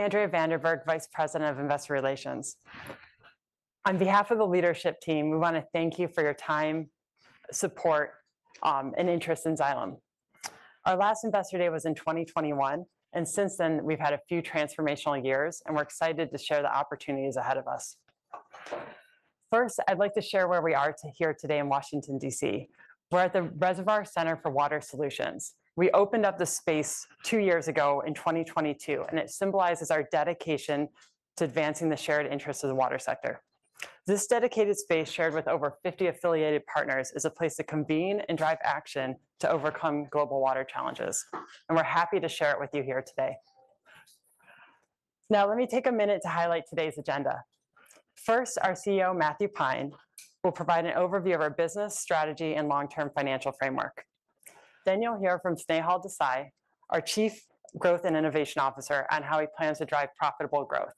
Andrea van der Berg, Vice President of Investor Relations. On behalf of the leadership team, we want to thank you for your time, support, and interest in Xylem. Our last Investor Day was in 2021, and since then, we've had a few transformational years, and we're excited to share the opportunities ahead of us. First, I'd like to share where we are here today in Washington, D.C. We're at the Reservoir Center for Water Solutions. We opened up this space two years ago in 2022, and it symbolizes our dedication to advancing the shared interests of the water sector. This dedicated space, shared with over 50 affiliated partners, is a place to convene and drive action to overcome global water challenges, and we're happy to share it with you here today. Now, let me take a minute to highlight today's agenda. First, our CEO, Matthew Pine, will provide an overview of our business, strategy, and long-term financial framework. Then you'll hear from Snehal Desai, our Chief Growth and Innovation Officer, on how he plans to drive profitable growth.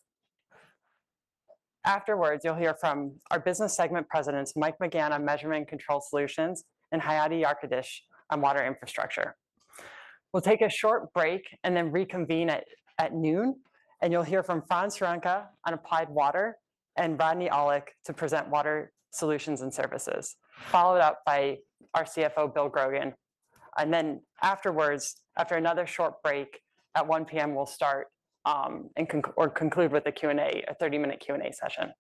Afterwards, you'll hear from our business segment presidents, Mike McGann on Measurement & Control Solutions, and Hayati Yarkadas on Water Infrastructure. We'll take a short break and then reconvene at noon, and you'll hear from Franz Cerwinka on Applied Water and Rodney Aulick to present Water Solutions and Services, followed up by our CFO, Bill Grogan. Then afterwards, after another short break, at 1:00 P.M., we'll start and conclude with a Q&A, a 30-minute Q&A session.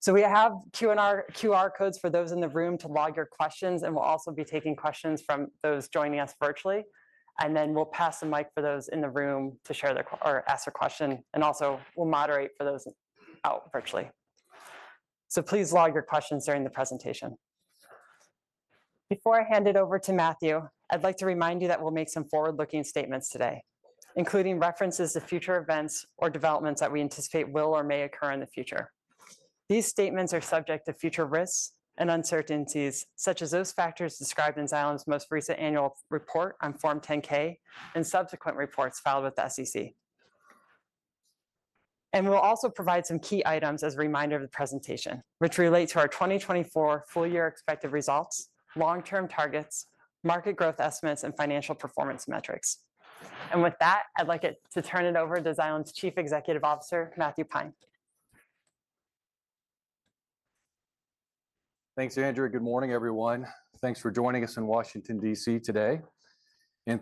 So we have QR codes for those in the room to log your questions, and we'll also be taking questions from those joining us virtually, and then we'll pass the mic for those in the room to share their or ask a question, and also we'll moderate for those out virtually. So please log your questions during the presentation. Before I hand it over to Matthew, I'd like to remind you that we'll make some forward-looking statements today, including references to future events or developments that we anticipate will or may occur in the future. These statements are subject to future risks and uncertainties, such as those factors described in Xylem's most recent annual report on Form 10-K and subsequent reports filed with the SEC. We will also provide some key items as a reminder of the presentation, which relate to our 2024 full year expected results, long-term targets, market growth estimates, and financial performance metrics. And with that, I'd like to turn it over to Xylem's Chief Executive Officer, Matthew Pine. Thanks, Andrea. Good morning, everyone. Thanks for joining us in Washington, D.C., today.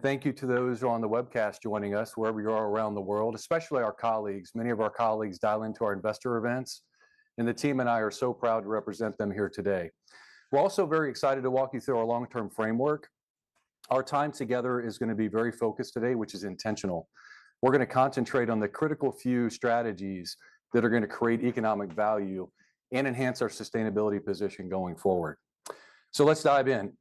Thank you to those who are on the webcast joining us wherever you are around the world, especially our colleagues. Many of our colleagues dial into our investor events, and the team and I are so proud to represent them here today. We're also very excited to walk you through our long-term framework. Our time together is gonna be very focused today, which is intentional. We're gonna concentrate on the critical few strategies that are gonna create economic value and enhance our sustainability position going forward. So let's dive in.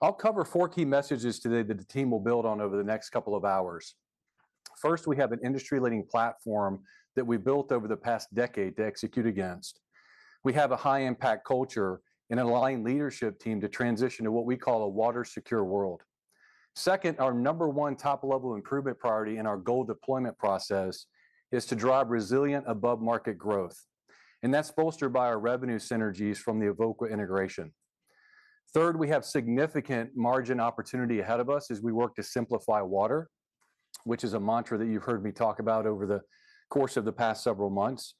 I'll cover four key messages today that the team will build on over the next couple of hours. First, we have an industry-leading platform that we've built over the past decade to execute against. We have a High-Impact Culture and aligned leadership team to transition to what we call a water-secure world. Second, our number one top-level improvement priority in our goal deployment process is to drive resilient, above-market growth, and that's bolstered by our revenue synergies from the Evoqua integration. Third, we have significant margin opportunity ahead of us as we work to simplify water, which is a mantra that you've heard me talk about over the course of the past several months.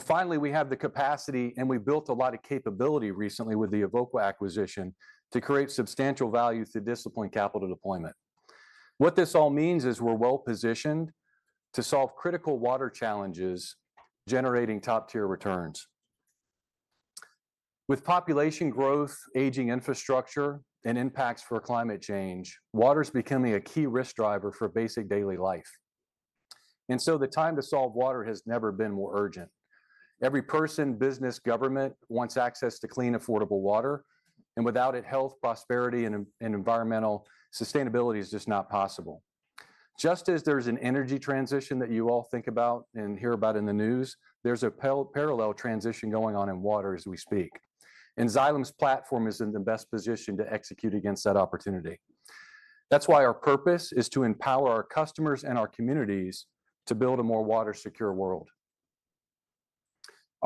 Finally, we have the capacity, and we've built a lot of capability recently with the Evoqua acquisition, to create substantial value through disciplined capital deployment. What this all means is we're well-positioned to solve critical water challenges, generating top-tier returns. With population growth, aging infrastructure, and impacts for climate change, water's becoming a key risk driver for basic daily life, and so the time to solve water has never been more urgent. Every person, business, government wants access to clean, affordable water, and without it, health, prosperity, and environmental sustainability is just not possible. Just as there's an energy transition that you all think about and hear about in the news, there's a parallel transition going on in water as we speak, and Xylem's platform is in the best position to execute against that opportunity. That's why our purpose is to empower our customers and our communities to build a more water-secure world.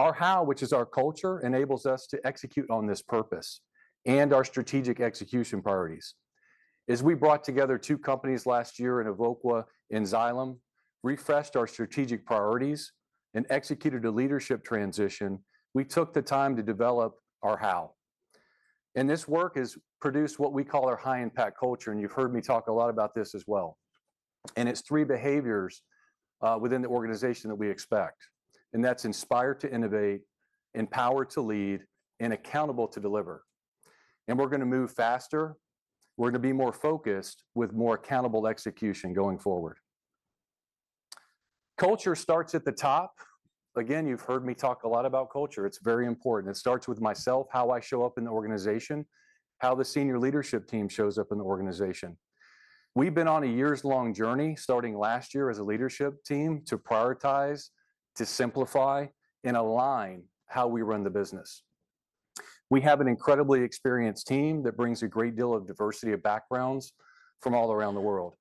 Our how, which is our culture, enables us to execute on this purpose and our strategic execution priorities. As we brought together two companies last year in Evoqua and Xylem, refreshed our strategic priorities, and executed a leadership transition, we took the time to develop our how. This work has produced what we call our High-Impact Culture, and you've heard me talk a lot about this as well, and it's three behaviors within the organization that we expect, and that's inspire to innovate, empower to lead, and accountable to deliver. We're gonna move faster. We're gonna be more focused with more accountable execution going forward. Culture starts at the top. Again, you've heard me talk a lot about culture. It's very important. It starts with myself, how I show up in the organization, how the senior leadership team shows up in the organization. We've been on a years-long journey, starting last year as a leadership team, to prioritize, to simplify, and align how we run the business. We have an incredibly experienced team that brings a great deal of diversity of backgrounds from all around the world.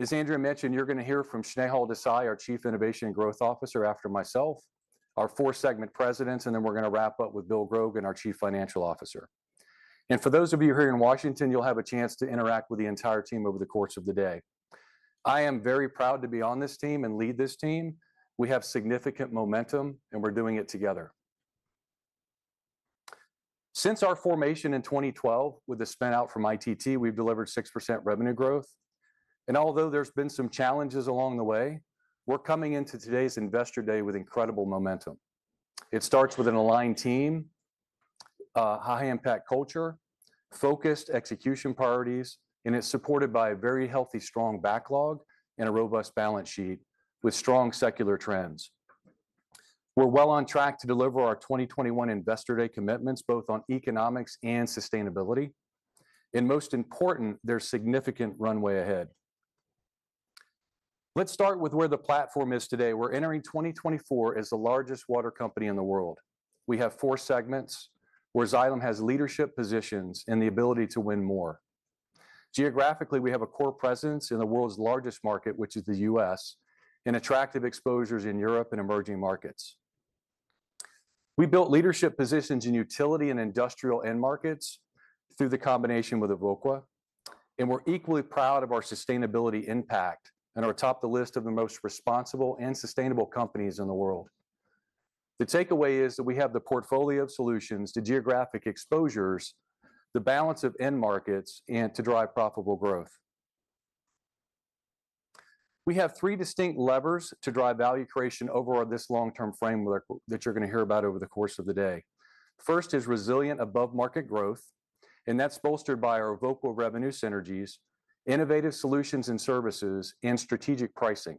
As Andrea mentioned, you're gonna hear from Snehal Desai, our Chief Innovation and Growth Officer, after myself, our four segment presidents, and then we're gonna wrap up with Bill Grogan, our Chief Financial Officer. For those of you here in Washington, you'll have a chance to interact with the entire team over the course of the day. I am very proud to be on this team and lead this team. We have significant momentum, and we're doing it together. Since our formation in 2012, with a spin-out from ITT, we've delivered 6% revenue growth, and although there's been some challenges along the way, we're coming into today's Investor Day with incredible momentum. It starts with an aligned team, a High-Impact Culture, focused execution priorities, and it's supported by a very healthy, strong backlog and a robust balance sheet with strong secular trends. We're well on track to deliver our 2021 Investor Day commitments, both on economics and sustainability. Most important, there's significant runway ahead. Let's start with where the platform is today. We're entering 2024 as the largest water company in the world. We have 4 segments, where Xylem has leadership positions and the ability to win more. Geographically, we have a core presence in the world's largest market, which is the U.S., and attractive exposures in Europe and emerging markets. We built leadership positions in utility and industrial end markets through the combination with Evoqua, and we're equally proud of our sustainability impact and are top of the list of the most responsible and sustainable companies in the world. The takeaway is that we have the portfolio of solutions, the geographic exposures, the balance of end markets, and to drive profitable growth. We have three distinct levers to drive value creation over this long-term framework that you're gonna hear about over the course of the day. First is resilient above-market growth, and that's bolstered by our Evoqua revenue synergies, innovative solutions and services, and strategic pricing.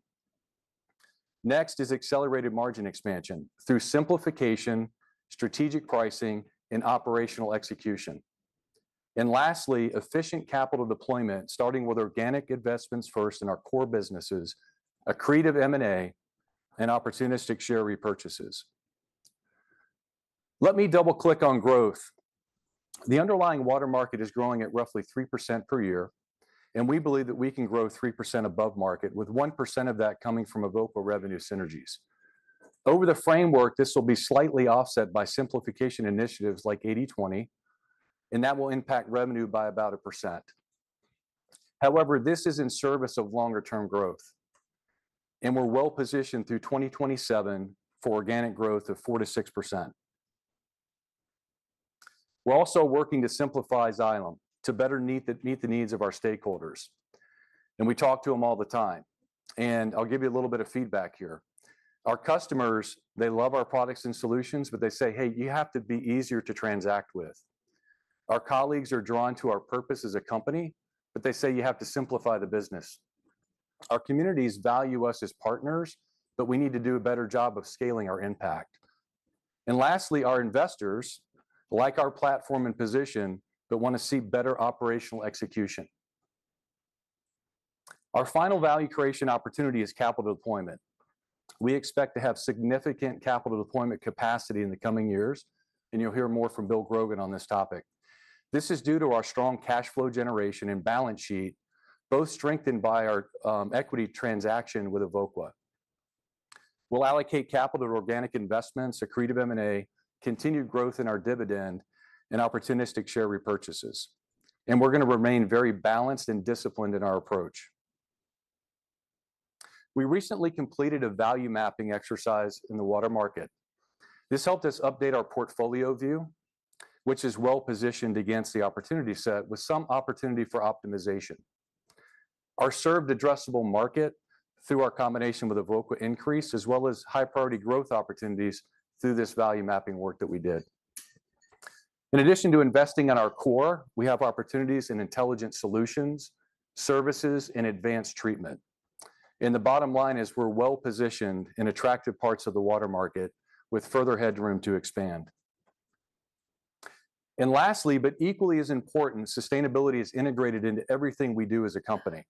Next is accelerated margin expansion through simplification, strategic pricing, and operational execution. And lastly, efficient capital deployment, starting with organic investments first in our core businesses, accretive M&A, and opportunistic share repurchases. Let me double-click on growth. The underlying water market is growing at roughly 3% per year, and we believe that we can grow 3% above market, with 1% of that coming from Evoqua revenue synergies. Over the framework, this will be slightly offset by simplification initiatives like 80/20, and that will impact revenue by about 1%. However, this is in service of longer-term growth, and we're well positioned through 2027 for organic growth of 4%-6%. We're also working to simplify Xylem to better meet the needs of our stakeholders, and we talk to them all the time, and I'll give you a little bit of feedback here. Our customers, they love our products and solutions, but they say, "Hey, you have to be easier to transact with." Our colleagues are drawn to our purpose as a company, but they say, "You have to simplify the business." Our communities value us as partners, but we need to do a better job of scaling our impact. And lastly, our investors like our platform and position but wanna see better operational execution. Our final value creation opportunity is capital deployment. We expect to have significant capital deployment capacity in the coming years, and you'll hear more from Bill Grogan on this topic. This is due to our strong cash flow generation and balance sheet, both strengthened by our equity transaction with Evoqua. We'll allocate capital to organic investments, accretive M&A, continued growth in our dividend, and opportunistic share repurchases, and we're gonna remain very balanced and disciplined in our approach. We recently completed a value mapping exercise in the water market. This helped us update our portfolio view, which is well-positioned against the opportunity set, with some opportunity for optimization. Our served addressable market through our combination with Evoqua increased, as well as high-priority growth opportunities through this value mapping work that we did. In addition to investing in our core, we have opportunities in intelligent solutions, services, and advanced treatment. The bottom line is we're well-positioned in attractive parts of the water market, with further headroom to expand. Lastly, but equally as important, sustainability is integrated into everything we do as a company.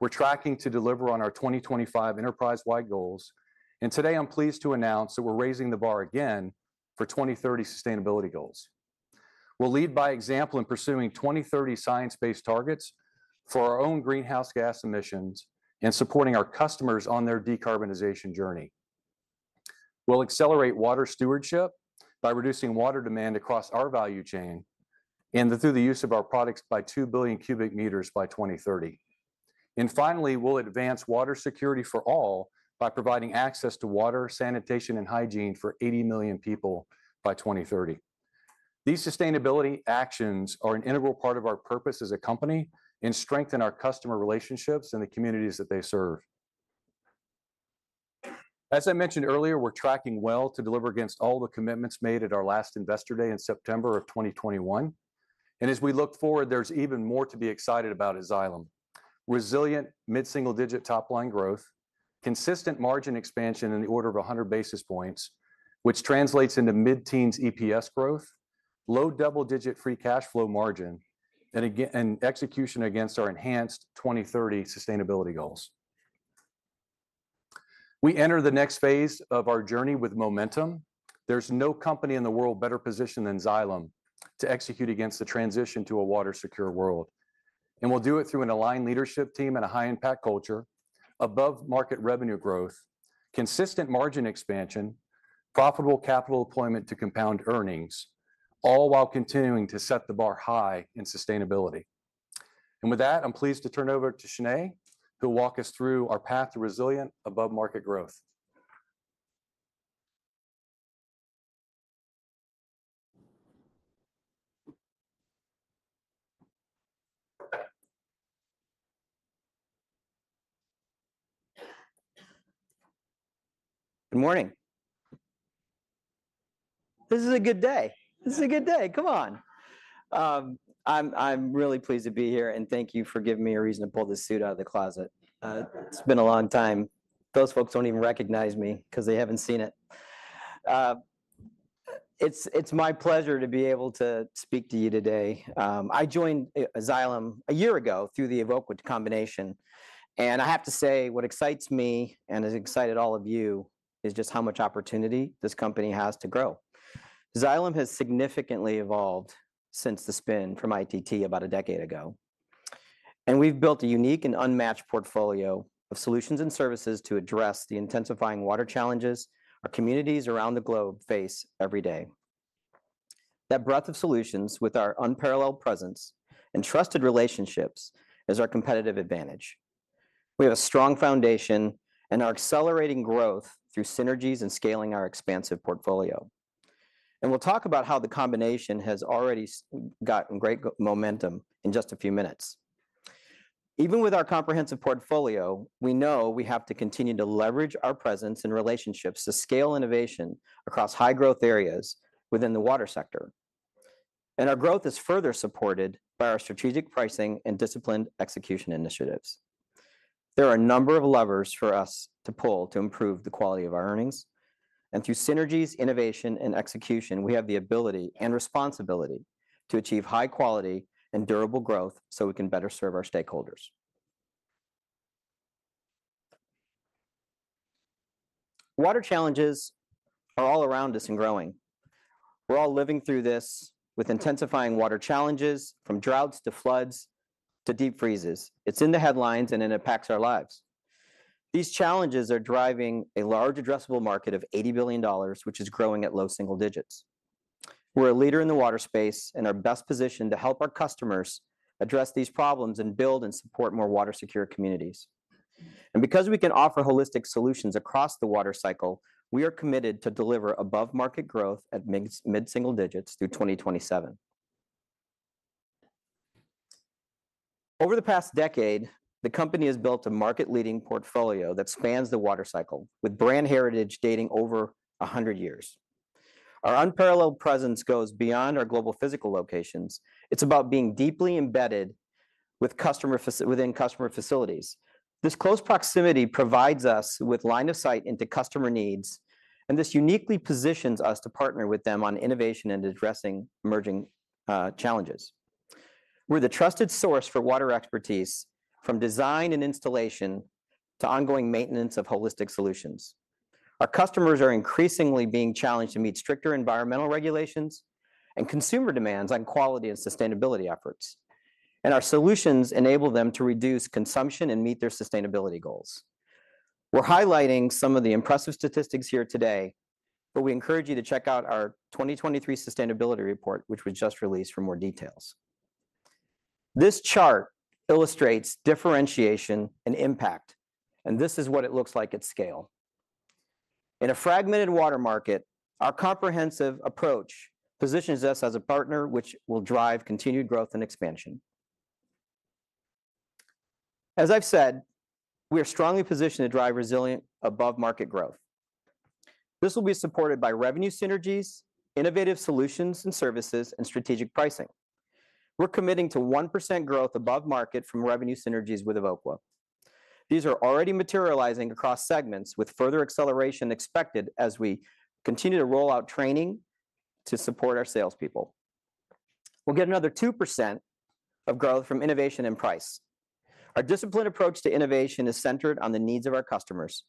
We're tracking to deliver on our 2025 enterprise-wide goals, and today I'm pleased to announce that we're raising the bar again for 2030 sustainability goals. We'll lead by example in pursuing 2030 science-based targets for our own greenhouse gas emissions and supporting our customers on their decarbonization journey. We'll accelerate water stewardship by reducing water demand across our value chain through the use of our products by 2 billion cubic meters by 2030. Finally, we'll advance water security for all by providing access to water, sanitation, and hygiene for 80 million people by 2030. These sustainability actions are an integral part of our purpose as a company and strengthen our customer relationships and the communities that they serve. As I mentioned earlier, we're tracking well to deliver against all the commitments made at our last Investor Day in September 2021, and as we look forward, there's even more to be excited about as Xylem. Resilient mid-single-digit top-line growth, consistent margin expansion in the order of 100 basis points, which translates into mid-teens EPS growth, low double-digit free cash flow margin, and execution against our enhanced 2030 sustainability goals. We enter the next phase of our journey with momentum. There's no company in the world better positioned than Xylem to execute against the transition to a water-secure world... and we'll do it through an aligned leadership team and a High-Impact Culture, above-market revenue growth, consistent margin expansion, profitable capital deployment to compound earnings, all while continuing to set the bar high in sustainability. With that, I'm pleased to turn it over to Snehal Desai, who'll walk us through our path to resilient above-market growth. Good morning. This is a good day. This is a good day. Come on! I'm really pleased to be here, and thank you for giving me a reason to pull this suit out of the closet. It's been a long time. Those folks don't even recognize me 'cause they haven't seen it. It's my pleasure to be able to speak to you today. I joined Xylem a year ago through the Evoqua combination, and I have to say, what excites me and has excited all of you is just how much opportunity this company has to grow. Xylem has significantly evolved since the spin from ITT about a decade ago, and we've built a unique and unmatched portfolio of solutions and services to address the intensifying water challenges our communities around the globe face every day. That breadth of solutions, with our unparalleled presence and trusted relationships, is our competitive advantage. We have a strong foundation and are accelerating growth through synergies and scaling our expansive portfolio, and we'll talk about how the combination has already gotten great momentum in just a few minutes. Even with our comprehensive portfolio, we know we have to continue to leverage our presence and relationships to scale innovation across high-growth areas within the water sector, and our growth is further supported by our strategic pricing and disciplined execution initiatives. There are a number of levers for us to pull to improve the quality of our earnings, and through synergies, innovation, and execution, we have the ability and responsibility to achieve high quality and durable growth so we can better serve our stakeholders. Water challenges are all around us and growing. We're all living through this, with intensifying water challenges, from droughts to floods to deep freezes. It's in the headlines, and then it impacts our lives. These challenges are driving a large addressable market of $80 billion, which is growing at low single digits. We're a leader in the water space and are best positioned to help our customers address these problems and build and support more water-secure communities. And because we can offer holistic solutions across the water cycle, we are committed to deliver above-market growth at mid-single digits through 2027. Over the past decade, the company has built a market-leading portfolio that spans the water cycle, with brand heritage dating over 100 years. Our unparalleled presence goes beyond our global physical locations. It's about being deeply embedded with customer facilities. This close proximity provides us with line of sight into customer needs, and this uniquely positions us to partner with them on innovation and addressing emerging challenges. We're the trusted source for water expertise, from design and installation to ongoing maintenance of holistic solutions. Our customers are increasingly being challenged to meet stricter environmental regulations and consumer demands on quality and sustainability efforts, and our solutions enable them to reduce consumption and meet their sustainability goals. We're highlighting some of the impressive statistics here today, but we encourage you to check out our 2023 sustainability report, which we just released, for more details. This chart illustrates differentiation and impact, and this is what it looks like at scale. In a fragmented water market, our comprehensive approach positions us as a partner which will drive continued growth and expansion. As I've said, we are strongly positioned to drive resilient above-market growth. This will be supported by revenue synergies, innovative solutions and services, and strategic pricing. We're committing to 1% growth above market from revenue synergies with Evoqua. These are already materializing across segments, with further acceleration expected as we continue to roll out training to support our salespeople. We'll get another 2% of growth from innovation and price. Our disciplined approach to innovation is centered on the needs of our customers.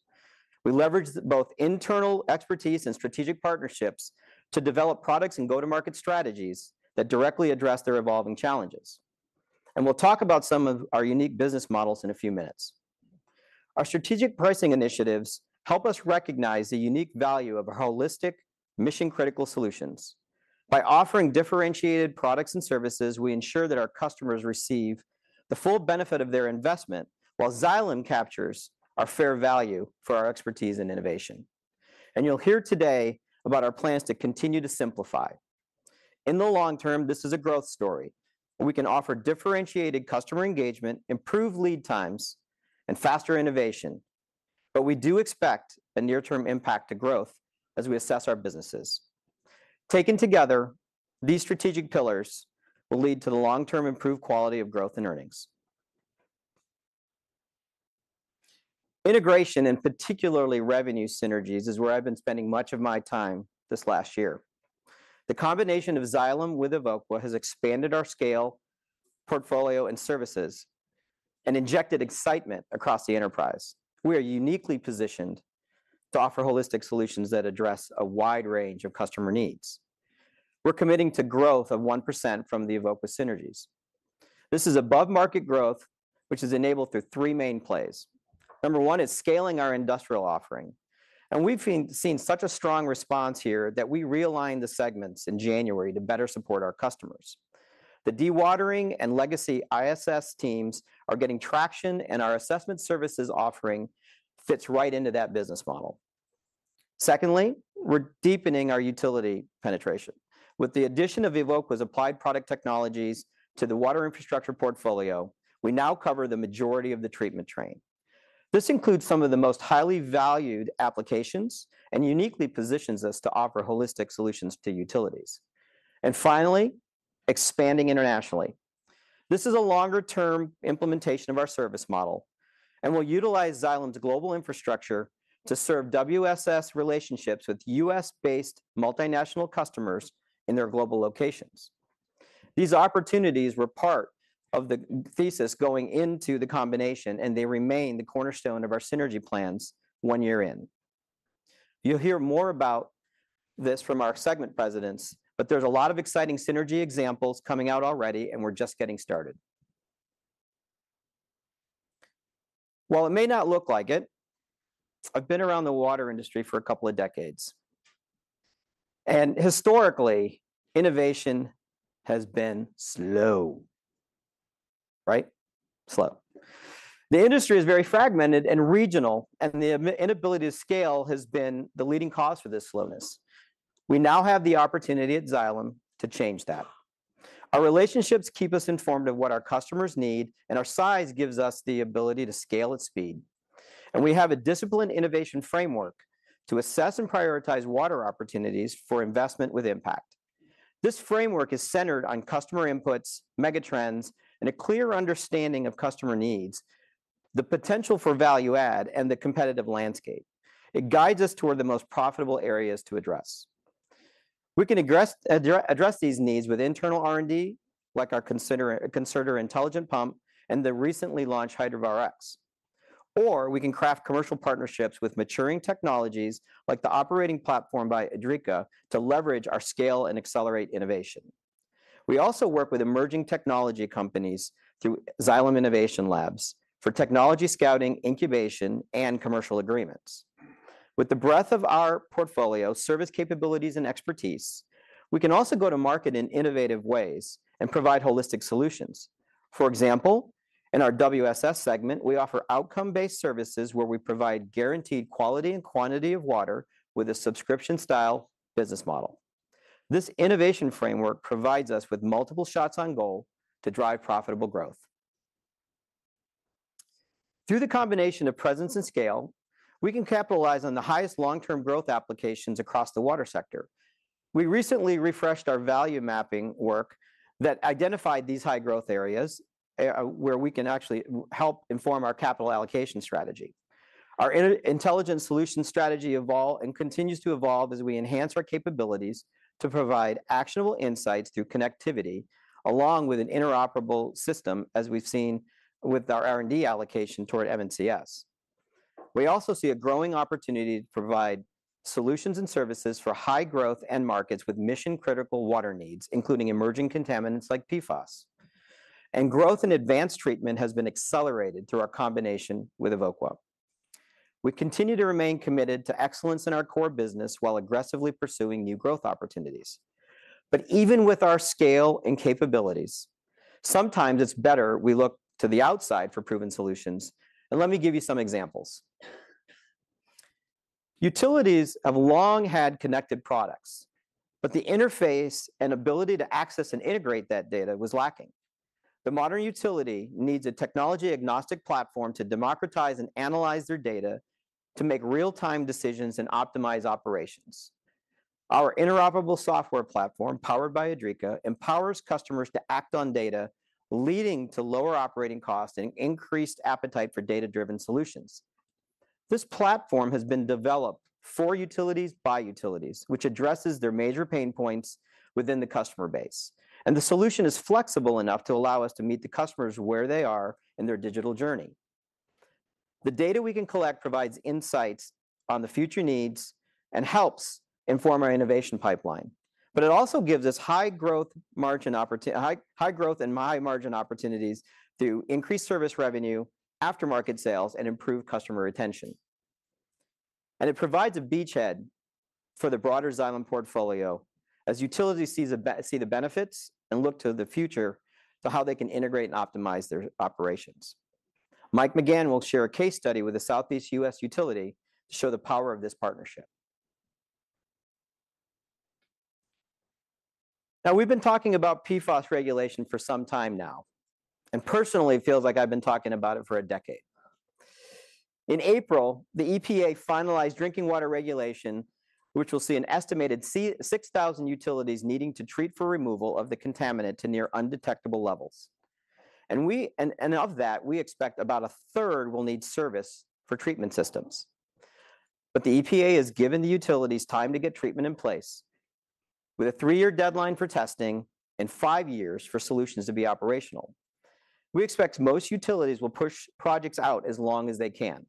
We leverage both internal expertise and strategic partnerships to develop products and go-to-market strategies that directly address their evolving challenges, and we'll talk about some of our unique business models in a few minutes. Our strategic pricing initiatives help us recognize the unique value of our holistic, mission-critical solutions. By offering differentiated products and services, we ensure that our customers receive the full benefit of their investment, while Xylem captures our fair value for our expertise and innovation. You'll hear today about our plans to continue to simplify. In the long term, this is a growth story, and we can offer differentiated customer engagement, improved lead times, and faster innovation, but we do expect a near-term impact to growth as we assess our businesses. Taken together, these strategic pillars will lead to the long-term improved quality of growth and earnings. Integration, and particularly revenue synergies, is where I've been spending much of my time this last year. The combination of Xylem with Evoqua has expanded our scale, portfolio, and services, and injected excitement across the enterprise. We are uniquely positioned to offer holistic solutions that address a wide range of customer needs. We're committing to growth of 1% from the Evoqua synergies. This is above-market growth, which is enabled through three main plays. Number one is scaling our industrial offering, and we've seen such a strong response here that we realigned the segments in January to better support our customers. The Dewatering and legacy ISS teams are getting traction, and our Assessment Services offering fits right into that business model. Secondly, we're deepening our utility penetration. With the addition of Evoqua's Applied Product Technologies to the Water Infrastructure portfolio, we now cover the majority of the treatment train. This includes some of the most highly valued applications and uniquely positions us to offer holistic solutions to utilities. And finally, expanding internationally. This is a longer-term implementation of our service model, and we'll utilize Xylem's global infrastructure to serve WSS relationships with US-based multinational customers in their global locations. These opportunities were part of the thesis going into the combination, and they remain the cornerstone of our synergy plans one year in. You'll hear more about this from our segment presidents, but there's a lot of exciting synergy examples coming out already, and we're just getting started. While it may not look like it, I've been around the water industry for a couple of decades, and historically, innovation has been slow. Right? Slow. The industry is very fragmented and regional, and the inability to scale has been the leading cause for this slowness. We now have the opportunity at Xylem to change that. Our relationships keep us informed of what our customers need, and our size gives us the ability to scale at speed. We have a disciplined innovation framework to assess and prioritize water opportunities for investment with impact. This framework is centered on customer inputs, mega trends, and a clear understanding of customer needs, the potential for value add, and the competitive landscape. It guides us toward the most profitable areas to address. We can address these needs with internal R&D, like our Concertor intelligent pump and the recently launched Hydrovar X. Or we can craft commercial partnerships with maturing technologies, like the operating platform by Idrica, to leverage our scale and accelerate innovation. We also work with emerging technology companies through Xylem Innovation Labs for technology scouting, incubation, and commercial agreements. With the breadth of our portfolio, service capabilities, and expertise, we can also go to market in innovative ways and provide holistic solutions. For example, in our WSS segment, we offer outcome-based services where we provide guaranteed quality and quantity of water with a subscription-style business model. This innovation framework provides us with multiple shots on goal to drive profitable growth. Through the combination of presence and scale, we can capitalize on the highest long-term growth applications across the water sector. We recently refreshed our value mapping work that identified these high-growth areas, where we can actually help inform our capital allocation strategy. Our intelligence solution strategy evolved and continues to evolve as we enhance our capabilities to provide actionable insights through connectivity, along with an interoperable system, as we've seen with our R&D allocation toward M&CS. We also see a growing opportunity to provide solutions and services for high-growth end markets with mission-critical water needs, including emerging contaminants like PFAS. Growth in advanced treatment has been accelerated through our combination with Evoqua. We continue to remain committed to excellence in our core business while aggressively pursuing new growth opportunities. Even with our scale and capabilities, sometimes it's better we look to the outside for proven solutions, and let me give you some examples. Utilities have long had connected products, but the interface and ability to access and integrate that data was lacking. The modern utility needs a technology-agnostic platform to democratize and analyze their data to make real-time decisions and optimize operations. Our interoperable software platform, powered by Idrica, empowers customers to act on data, leading to lower operating costs and increased appetite for data-driven solutions. This platform has been developed for utilities by utilities, which addresses their major pain points within the customer base, and the solution is flexible enough to allow us to meet the customers where they are in their digital journey. The data we can collect provides insights on the future needs and helps inform our innovation pipeline, but it also gives us high growth and high margin opportunities through increased service revenue, aftermarket sales, and improved customer retention. It provides a beachhead for the broader Xylem portfolio as utilities see the benefits and look to the future to how they can integrate and optimize their operations. Mike McGann will share a case study with a Southeast U.S. utility to show the power of this partnership. Now, we've been talking about PFAS regulation for some time now, and personally, it feels like I've been talking about it for a decade. In April, the EPA finalized drinking water regulation, which will see an estimated 6,000 utilities needing to treat for removal of the contaminant to near undetectable levels. Of that, we expect about a third will need service for treatment systems, but the EPA has given the utilities time to get treatment in place, with a 3-year deadline for testing and 5 years for solutions to be operational. We expect most utilities will push projects out as long as they can.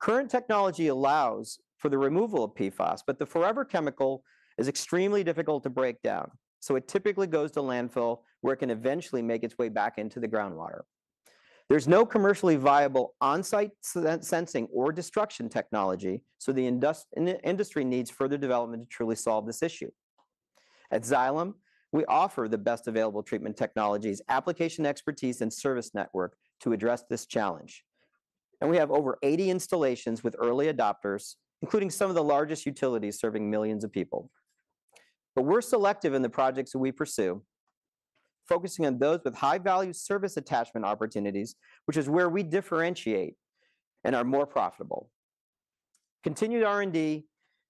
Current technology allows for the removal of PFAS, but the forever chemical is extremely difficult to break down, so it typically goes to landfill, where it can eventually make its way back into the groundwater. There's no commercially viable on-site sensing or destruction technology, so the industry needs further development to truly solve this issue. At Xylem, we offer the best available treatment technologies, application expertise, and service network to address this challenge, and we have over 80 installations with early adopters, including some of the largest utilities serving millions of people. But we're selective in the projects that we pursue, focusing on those with high-value service attachment opportunities, which is where we differentiate and are more profitable. Continued R&D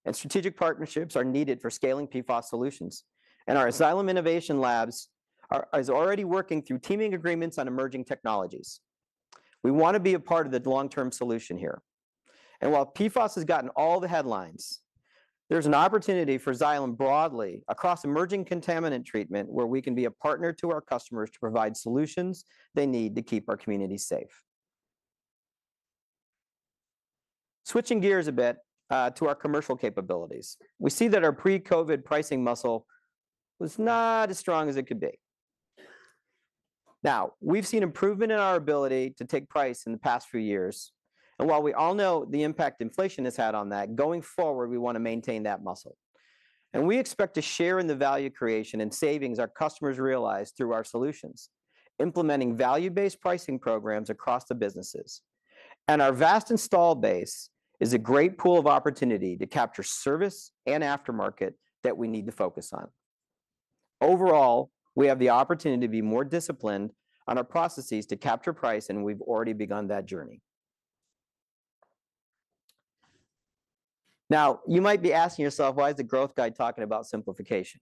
and strategic partnerships are needed for scaling PFAS solutions, and our Xylem Innovation Labs is already working through teaming agreements on emerging technologies. We wanna be a part of the long-term solution here. While PFAS has gotten all the headlines, there's an opportunity for Xylem broadly across emerging contaminant treatment, where we can be a partner to our customers to provide solutions they need to keep our communities safe. Switching gears a bit to our commercial capabilities. We see that our pre-COVID pricing muscle was not as strong as it could be. Now, we've seen improvement in our ability to take price in the past few years, and while we all know the impact inflation has had on that, going forward, we wanna maintain that muscle. And we expect to share in the value creation and savings our customers realize through our solutions, implementing value-based pricing programs across the businesses. And our vast installed base is a great pool of opportunity to capture service and aftermarket that we need to focus on. Overall, we have the opportunity to be more disciplined on our processes to capture price, and we've already begun that journey. Now, you might be asking yourself, "Why is the growth guy talking about simplification?"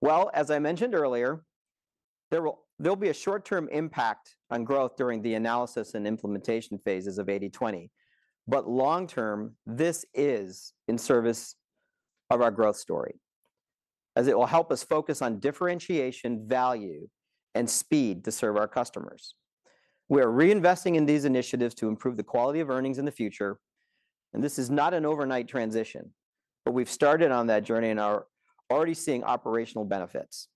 Well, as I mentioned earlier, there'll be a short-term impact on growth during the analysis and implementation phases of 80/20, but long term, this is in service of our growth story, as it will help us focus on differentiation, value, and speed to serve our customers. We are reinvesting in these initiatives to improve the quality of earnings in the future, and this is not an overnight transition, but we've started on that journey and are already seeing operational benefits.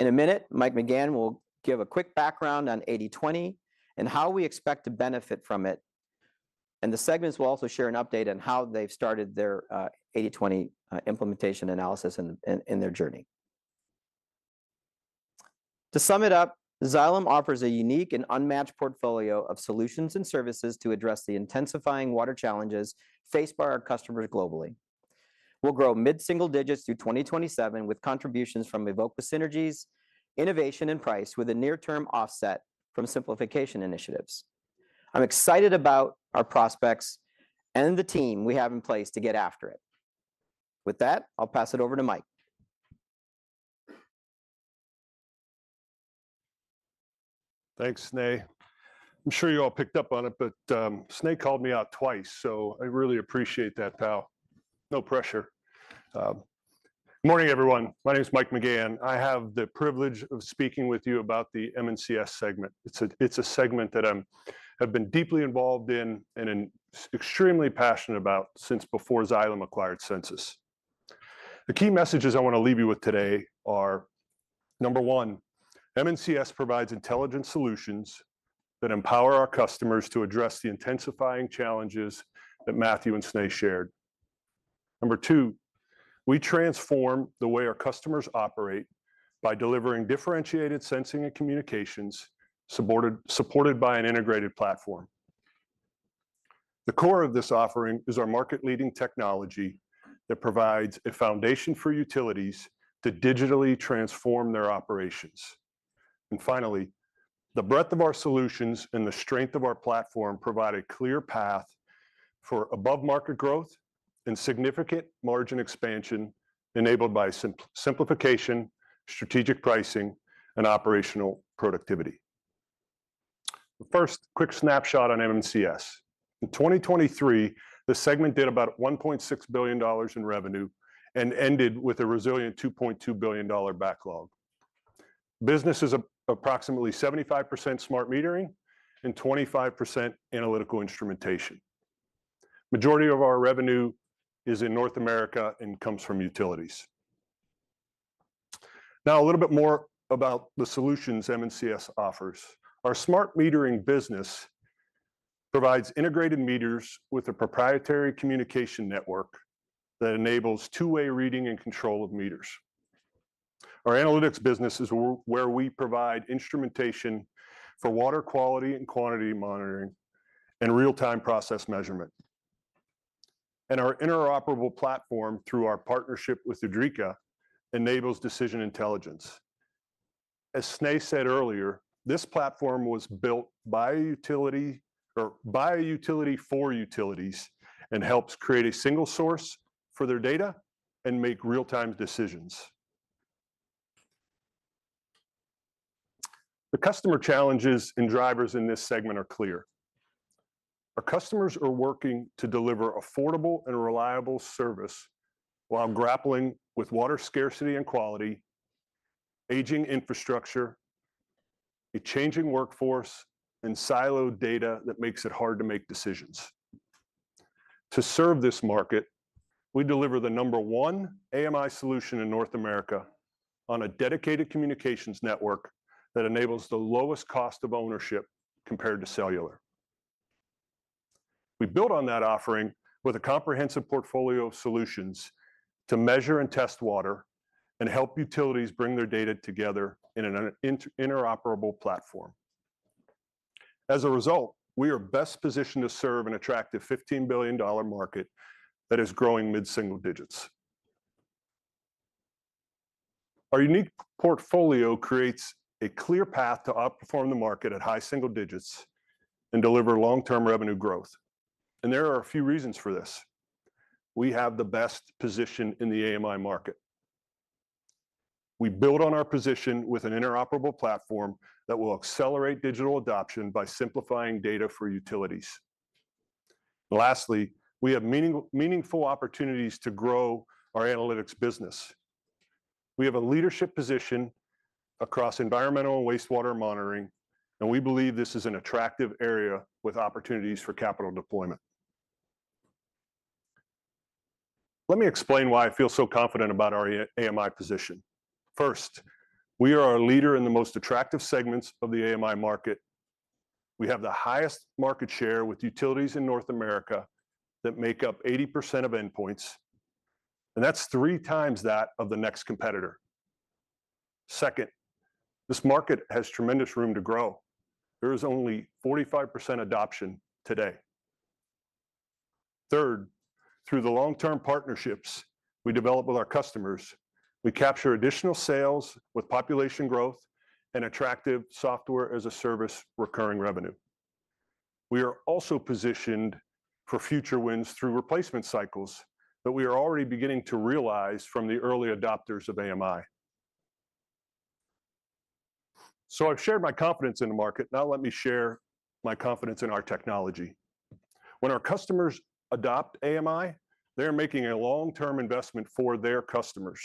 In a minute, Mike McGann will give a quick background on 80/20 and how we expect to benefit from it. The segments will also share an update on how they've started their 80/20 implementation analysis in their journey. To sum it up, Xylem offers a unique and unmatched portfolio of solutions and services to address the intensifying water challenges faced by our customers globally. We'll grow mid-single digits through 2027, with contributions from Evoqua synergies, innovation, and price, with a near-term offset from simplification initiatives. I'm excited about our prospects and the team we have in place to get after it. With that, I'll pass it over to Mike. Thanks, Sneh. I'm sure you all picked up on it, but Sneh called me out twice, so I really appreciate that, pal. No pressure. Morning, everyone. My name's Mike McGann. I have the privilege of speaking with you about the M&CS segment. It's a segment that I'm deeply involved in and am extremely passionate about since before Xylem acquired Sensus. The key messages I wanna leave you with today are, number one, M&CS provides intelligent solutions that empower our customers to address the intensifying challenges that Matthew and Sneh shared. Number two, we transform the way our customers operate by delivering differentiated sensing and communications, supported by an integrated platform. The core of this offering is our market-leading technology that provides a foundation for utilities to digitally transform their operations. Finally, the breadth of our solutions and the strength of our platform provide a clear path for above-market growth and significant margin expansion, enabled by simplification, strategic pricing, and operational productivity. First, quick snapshot on M&CS. In 2023, the segment did about $1.6 billion in revenue and ended with a resilient $2.2 billion backlog. Business is approximately 75% smart metering and 25% analytical instrumentation. Majority of our revenue is in North America and comes from utilities. Now, a little bit more about the solutions M&CS offers. Our smart metering business provides integrated meters with a proprietary communication network that enables two-way reading and control of meters. Our analytics business is where we provide instrumentation for water quality and quantity monitoring and real-time process measurement. And our interoperable platform, through our partnership with Idrica, enables decision intelligence. As Sneh said earlier, this platform was built by a utility, or by a utility for utilities, and helps create a single source for their data and make real-time decisions. The customer challenges and drivers in this segment are clear. Our customers are working to deliver affordable and reliable service, while grappling with water scarcity and quality, aging infrastructure, a changing workforce, and siloed data that makes it hard to make decisions. To serve this market, we deliver the number one AMI solution in North America on a dedicated communications network that enables the lowest cost of ownership compared to cellular. We build on that offering with a comprehensive portfolio of solutions to measure and test water and help utilities bring their data together in an interoperable platform. As a result, we are best positioned to serve an attractive $15 billion market that is growing mid-single digits. Our unique portfolio creates a clear path to outperform the market at high single digits and deliver long-term revenue growth, and there are a few reasons for this. We have the best position in the AMI market. We build on our position with an interoperable platform that will accelerate digital adoption by simplifying data for utilities. Lastly, we have meaningful opportunities to grow our analytics business. We have a leadership position across environmental and wastewater monitoring, and we believe this is an attractive area with opportunities for capital deployment. Let me explain why I feel so confident about our AMI position. First, we are a leader in the most attractive segments of the AMI market. We have the highest market share with utilities in North America that make up 80% of endpoints, and that's three times that of the next competitor. Second, this market has tremendous room to grow. There is only 45% adoption today. Third, through the long-term partnerships we develop with our customers, we capture additional sales with population growth and attractive software-as-a-service recurring revenue. We are also positioned for future wins through replacement cycles that we are already beginning to realize from the early adopters of AMI. So I've shared my confidence in the market. Now let me share my confidence in our technology. When our customers adopt AMI, they're making a long-term investment for their customers.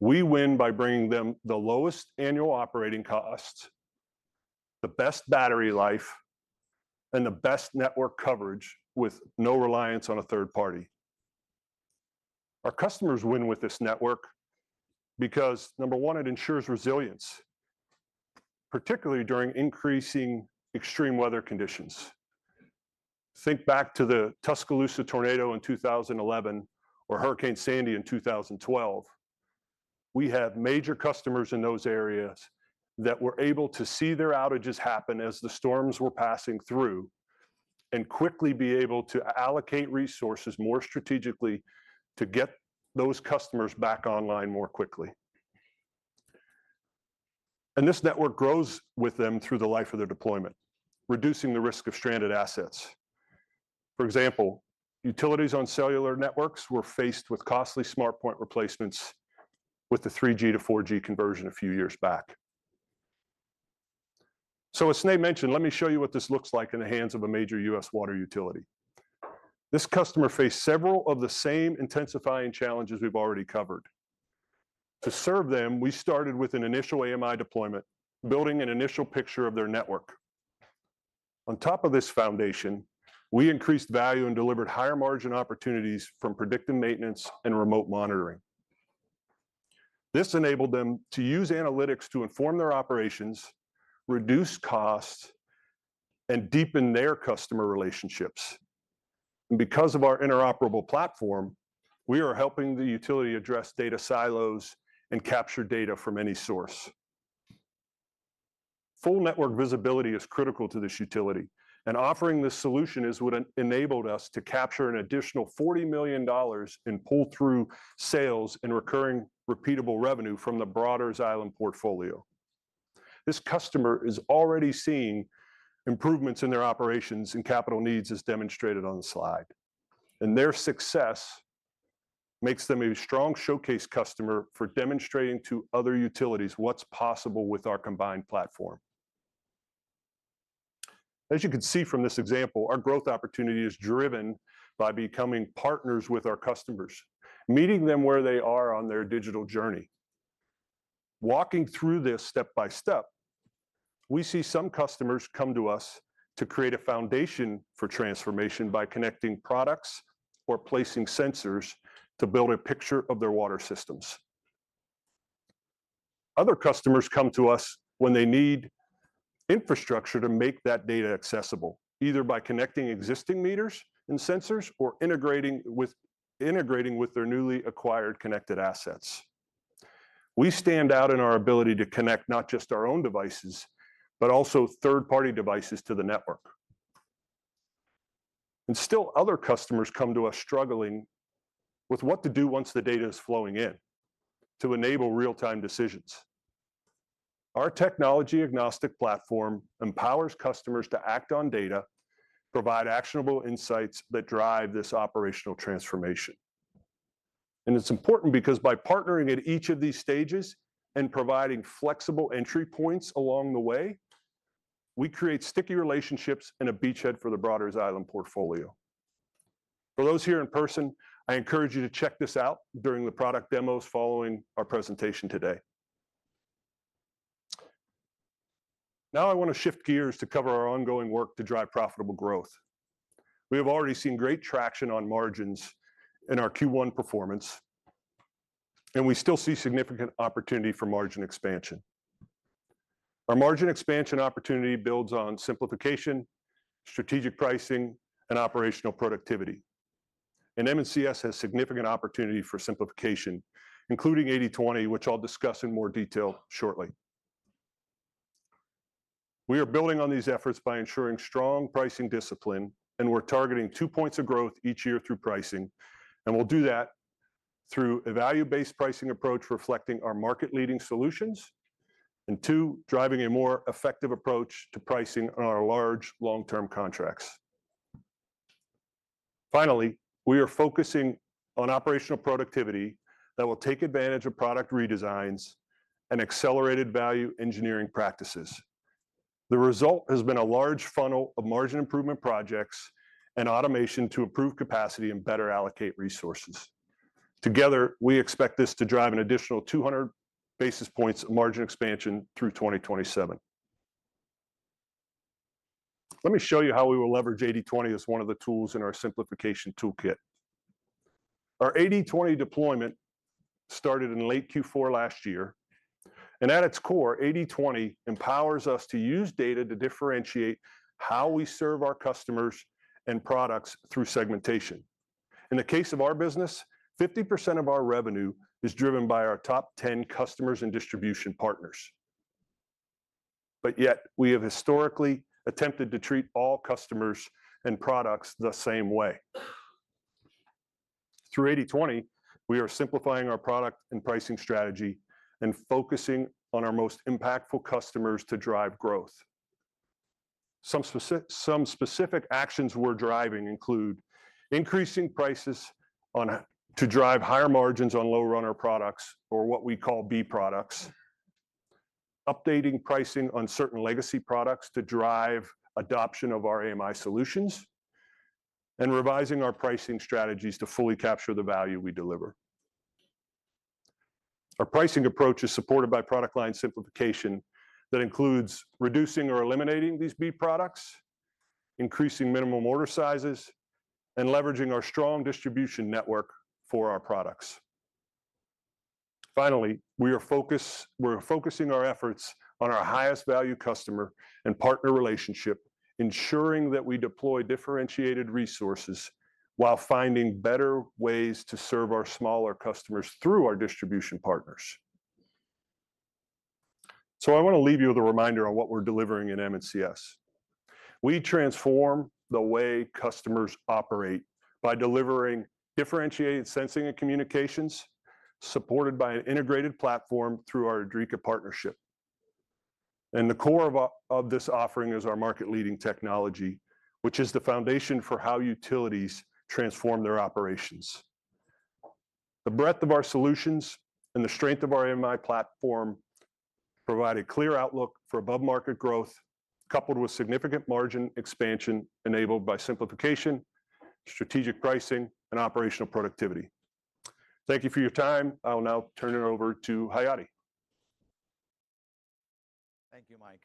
We win by bringing them the lowest annual operating costs, the best battery life, and the best network coverage with no reliance on a third party. Our customers win with this network because, number one, it ensures resilience, particularly during increasing extreme weather conditions. Think back to the Tuscaloosa tornado in 2011 or Hurricane Sandy in 2012. We had major customers in those areas that were able to see their outages happen as the storms were passing through and quickly be able to allocate resources more strategically to get those customers back online more quickly. This network grows with them through the life of their deployment, reducing the risk of stranded assets. For example, utilities on cellular networks were faced with costly SmartPoint replacements with the 3G to 4G conversion a few years back. So as Sneh mentioned, let me show you what this looks like in the hands of a major U.S. water utility. This customer faced several of the same intensifying challenges we've already covered. To serve them, we started with an initial AMI deployment, building an initial picture of their network. On top of this foundation, we increased value and delivered higher margin opportunities from predictive maintenance and remote monitoring. This enabled them to use analytics to inform their operations, reduce costs, and deepen their customer relationships. Because of our interoperable platform, we are helping the utility address data silos and capture data from any source. Full network visibility is critical to this utility, and offering this solution is what enabled us to capture an additional $40 million in pull-through sales and recurring repeatable revenue from the broader Xylem portfolio. This customer is already seeing improvements in their operations and capital needs, as demonstrated on the slide, and their success makes them a strong showcase customer for demonstrating to other utilities what's possible with our combined platform. As you can see from this example, our growth opportunity is driven by becoming partners with our customers, meeting them where they are on their digital journey. Walking through this step by step, we see some customers come to us to create a foundation for transformation by connecting products or placing sensors to build a picture of their water systems. Other customers come to us when they need infrastructure to make that data accessible, either by connecting existing meters and sensors or integrating with their newly acquired connected assets. We stand out in our ability to connect not just our own devices, but also third-party devices to the network. And still, other customers come to us struggling with what to do once the data is flowing in to enable real-time decisions. Our technology-agnostic platform empowers customers to act on data, provide actionable insights that drive this operational transformation.... It's important because by partnering at each of these stages and providing flexible entry points along the way, we create sticky relationships and a beachhead for the broader Xylem portfolio. For those here in person, I encourage you to check this out during the product demos following our presentation today. Now, I wanna shift gears to cover our ongoing work to drive profitable growth. We have already seen great traction on margins in our Q1 performance, and we still see significant opportunity for margin expansion. Our margin expansion opportunity builds on simplification, strategic pricing, and operational productivity. M&CS has significant opportunity for simplification, including 80/20, which I'll discuss in more detail shortly. We are building on these efforts by ensuring strong pricing discipline, and we're targeting 2% growth each year through pricing, and we'll do that through a value-based pricing approach reflecting our market-leading solutions, and two, driving a more effective approach to pricing on our large, long-term contracts. Finally, we are focusing on operational productivity that will take advantage of product redesigns and accelerated value engineering practices. The result has been a large funnel of margin improvement projects and automation to improve capacity and better allocate resources. Together, we expect this to drive an additional 200 basis points of margin expansion through 2027. Let me show you how we will leverage 80/20 as one of the tools in our simplification toolkit. Our 80/20 deployment started in late Q4 last year, and at its core, 80/20 empowers us to use data to differentiate how we serve our customers and products through segmentation. In the case of our business, 50% of our revenue is driven by our top 10 customers and distribution partners. But yet, we have historically attempted to treat all customers and products the same way. Through 80/20, we are simplifying our product and pricing strategy and focusing on our most impactful customers to drive growth. Some specific actions we're driving include: increasing prices to drive higher margins on lower runner products or what we call B products; updating pricing on certain legacy products to drive adoption of our AMI solutions; and revising our pricing strategies to fully capture the value we deliver. Our pricing approach is supported by product line simplification that includes reducing or eliminating these B products, increasing minimum order sizes, and leveraging our strong distribution network for our products. Finally, we're focusing our efforts on our highest-value customer and partner relationship, ensuring that we deploy differentiated resources while finding better ways to serve our smaller customers through our distribution partners. So I wanna leave you with a reminder on what we're delivering in M&CS. We transform the way customers operate by delivering differentiated sensing and communications, supported by an integrated platform through our Idrica partnership. The core of this offering is our market-leading technology, which is the foundation for how utilities transform their operations. The breadth of our solutions and the strength of our AMI platform provide a clear outlook for above-market growth, coupled with significant margin expansion enabled by simplification, strategic pricing, and operational productivity. Thank you for your time. I'll now turn it over to Hayati. Thank you, Mike.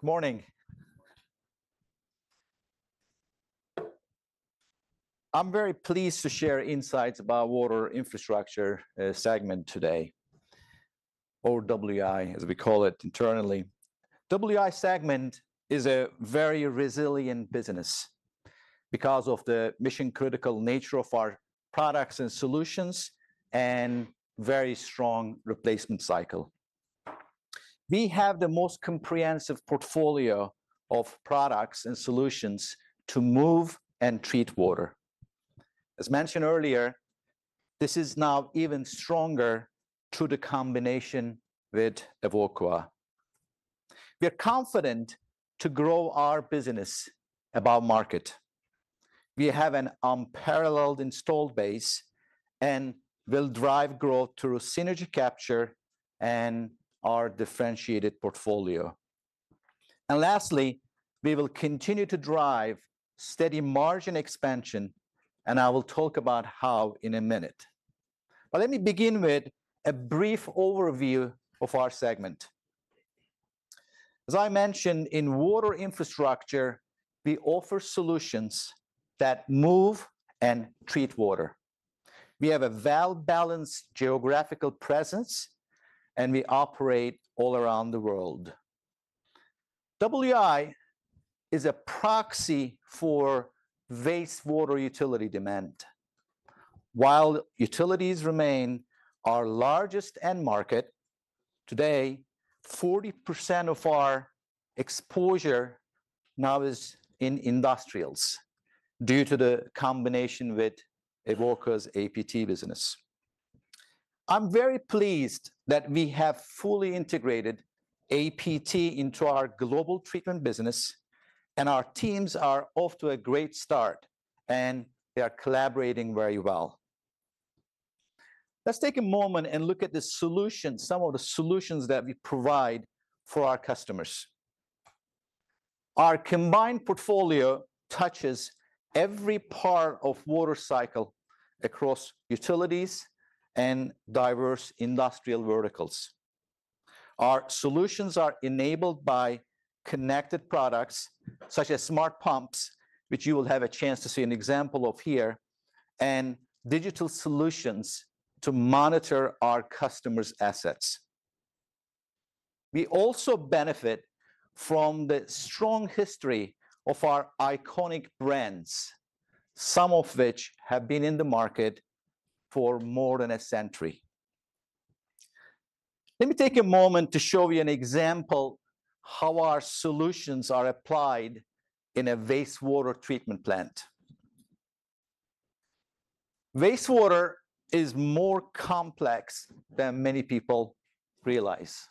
Good morning. I'm very pleased to share insights about Water Infrastructure segment today, or WI, as we call it internally. WI segment is a very resilient business because of the mission-critical nature of our products and solutions and very strong replacement cycle. We have the most comprehensive portfolio of products and solutions to move and treat water. As mentioned earlier, this is now even stronger through the combination with Evoqua. We are confident to grow our business above market. We have an unparalleled installed base and will drive growth through synergy capture and our differentiated portfolio. And lastly, we will continue to drive steady margin expansion, and I will talk about how in a minute. But let me begin with a brief overview of our segment. As I mentioned, in Water Infrastructure, we offer solutions that move and treat water. We have a well-balanced geographical presence, and we operate all around the world. WI is a proxy for vast water utility demand. While utilities remain our largest end market, today, 40% of our exposure now is in industrials due to the combination with Evoqua's APT business. I'm very pleased that we have fully integrated APT into our global treatment business, and our teams are off to a great start, and they are collaborating very well. Let's take a moment and look at the solutions, some of the solutions that we provide for our customers. Our combined portfolio touches every part of water cycle across utilities and diverse industrial verticals. Our solutions are enabled by connected products, such as smart pumps, which you will have a chance to see an example of here, and digital solutions to monitor our customers' assets. We also benefit from the strong history of our iconic brands, some of which have been in the market for more than a century. Let me take a moment to show you an example how our solutions are applied in a wastewater treatment plant. Wastewater is more complex than many people realize,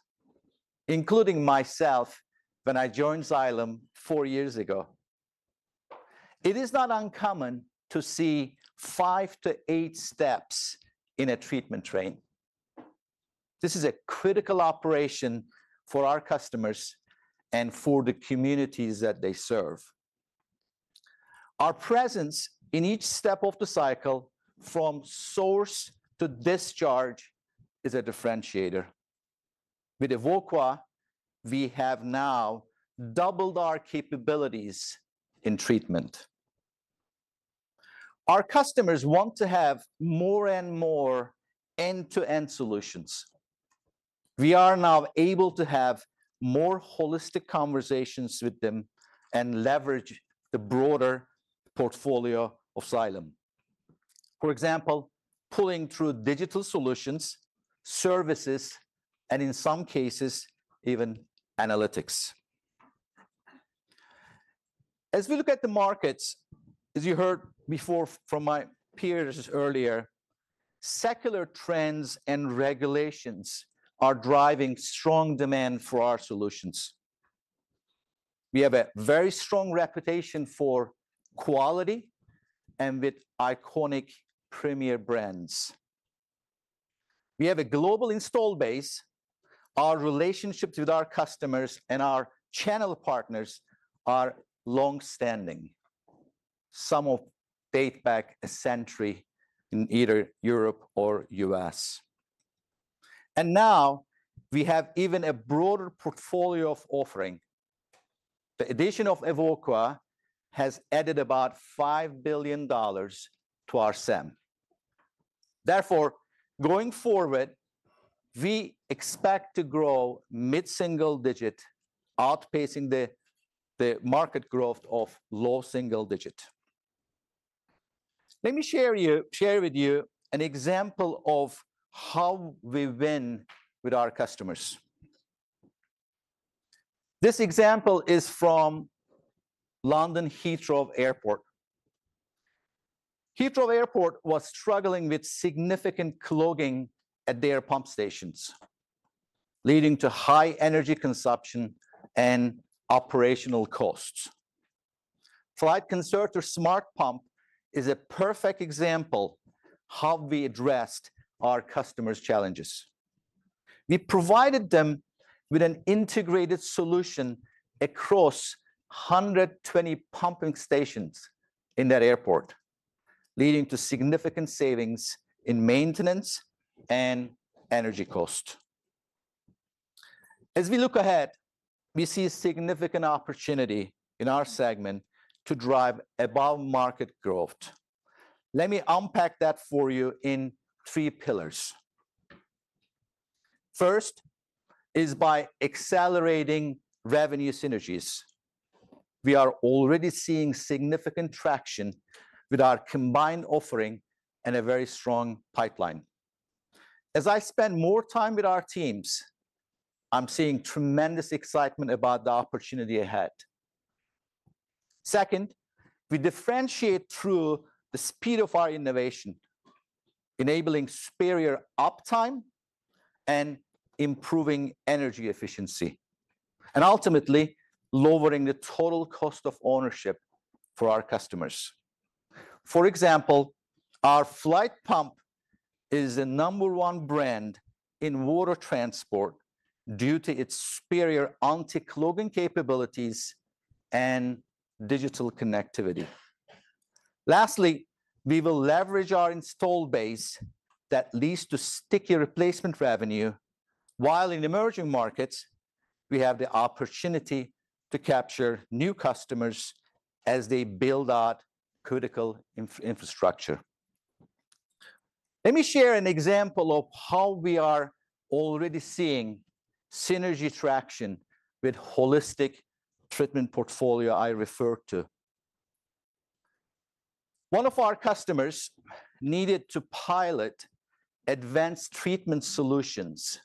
including myself, when I joined Xylem 4 years ago. It is not uncommon to see 5-8 steps in a treatment train. This is a critical operation for our customers and for the communities that they serve. Our presence in each step of the cycle, from source to discharge, is a differentiator. With Evoqua, we have now doubled our capabilities in treatment. Our customers want to have more and more end-to-end solutions. We are now able to have more holistic conversations with them and leverage the broader portfolio of Xylem. For example, pulling through digital solutions, services, and in some cases, even analytics. As we look at the markets, as you heard before from my peers earlier, secular trends and regulations are driving strong demand for our solutions. We have a very strong reputation for quality and with iconic premier brands. We have a global installed base. Our relationships with our customers and our channel partners are long-standing. Some date back a century in either Europe or U.S. Now we have even a broader portfolio of offering. The addition of Evoqua has added about $5 billion to our SAM. Therefore, going forward, we expect to grow mid-single digit, outpacing the market growth of low single digit. Let me share with you an example of how we win with our customers. This example is from London Heathrow Airport. Heathrow Airport was struggling with significant clogging at their pump stations, leading to high energy consumption and operational costs. Flygt Concertor smart pump is a perfect example how we addressed our customers' challenges. We provided them with an integrated solution across 120 pumping stations in that airport, leading to significant savings in maintenance and energy cost. As we look ahead, we see a significant opportunity in our segment to drive above-market growth. Let me unpack that for you in three pillars. First is by accelerating revenue synergies. We are already seeing significant traction with our combined offering and a very strong pipeline. As I spend more time with our teams, I'm seeing tremendous excitement about the opportunity ahead. Second, we differentiate through the speed of our innovation, enabling superior uptime and improving energy efficiency, and ultimately, lowering the total cost of ownership for our customers. For example, our Flygt pump is the number 1 brand in water transport due to its superior anti-clogging capabilities and digital connectivity. Lastly, we will leverage our install base that leads to sticky replacement revenue, while in emerging markets, we have the opportunity to capture new customers as they build out critical infrastructure. Let me share an example of how we are already seeing synergy traction with holistic treatment portfolio I referred to. One of our customers needed to pilot advanced treatment solutions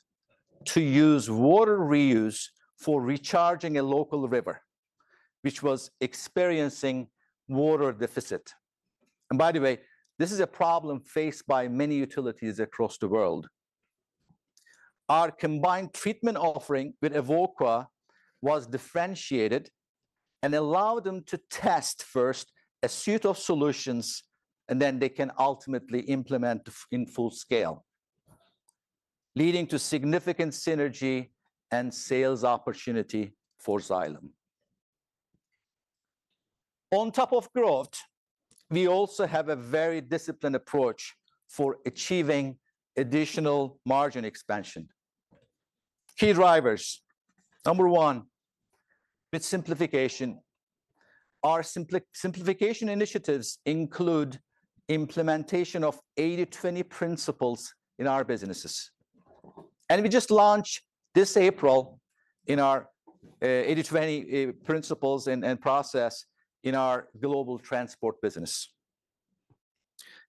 to use water reuse for recharging a local river, which was experiencing water deficit. By the way, this is a problem faced by many utilities across the world. Our combined treatment offering with Evoqua was differentiated and allowed them to test first a suite of solutions, and then they can ultimately implement in full scale, leading to significant synergy and sales opportunity for Xylem. On top of growth, we also have a very disciplined approach for achieving additional margin expansion. Key drivers: number one, with simplification. Our simplification initiatives include implementation of 80/20 principles in our businesses. And we just launched this April in our 80/20 principles and process in our global transport business.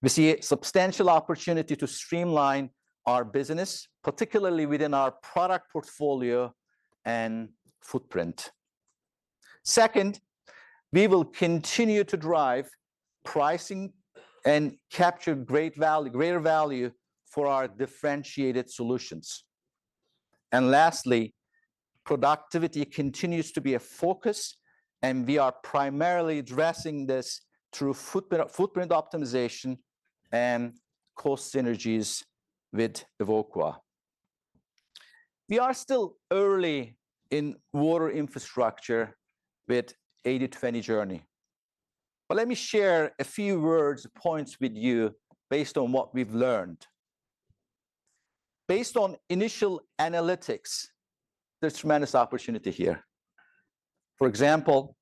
We see a substantial opportunity to streamline our business, particularly within our product portfolio and footprint. Second, we will continue to drive pricing and capture greater value for our differentiated solutions. And lastly, productivity continues to be a focus, and we are primarily addressing this through footprint optimization and cost synergies with Evoqua. We are still early in Water Infrastructure with 80/20 journey. But let me share a few points with you based on what we've learned. Based on initial analytics, there's tremendous opportunity here. For example,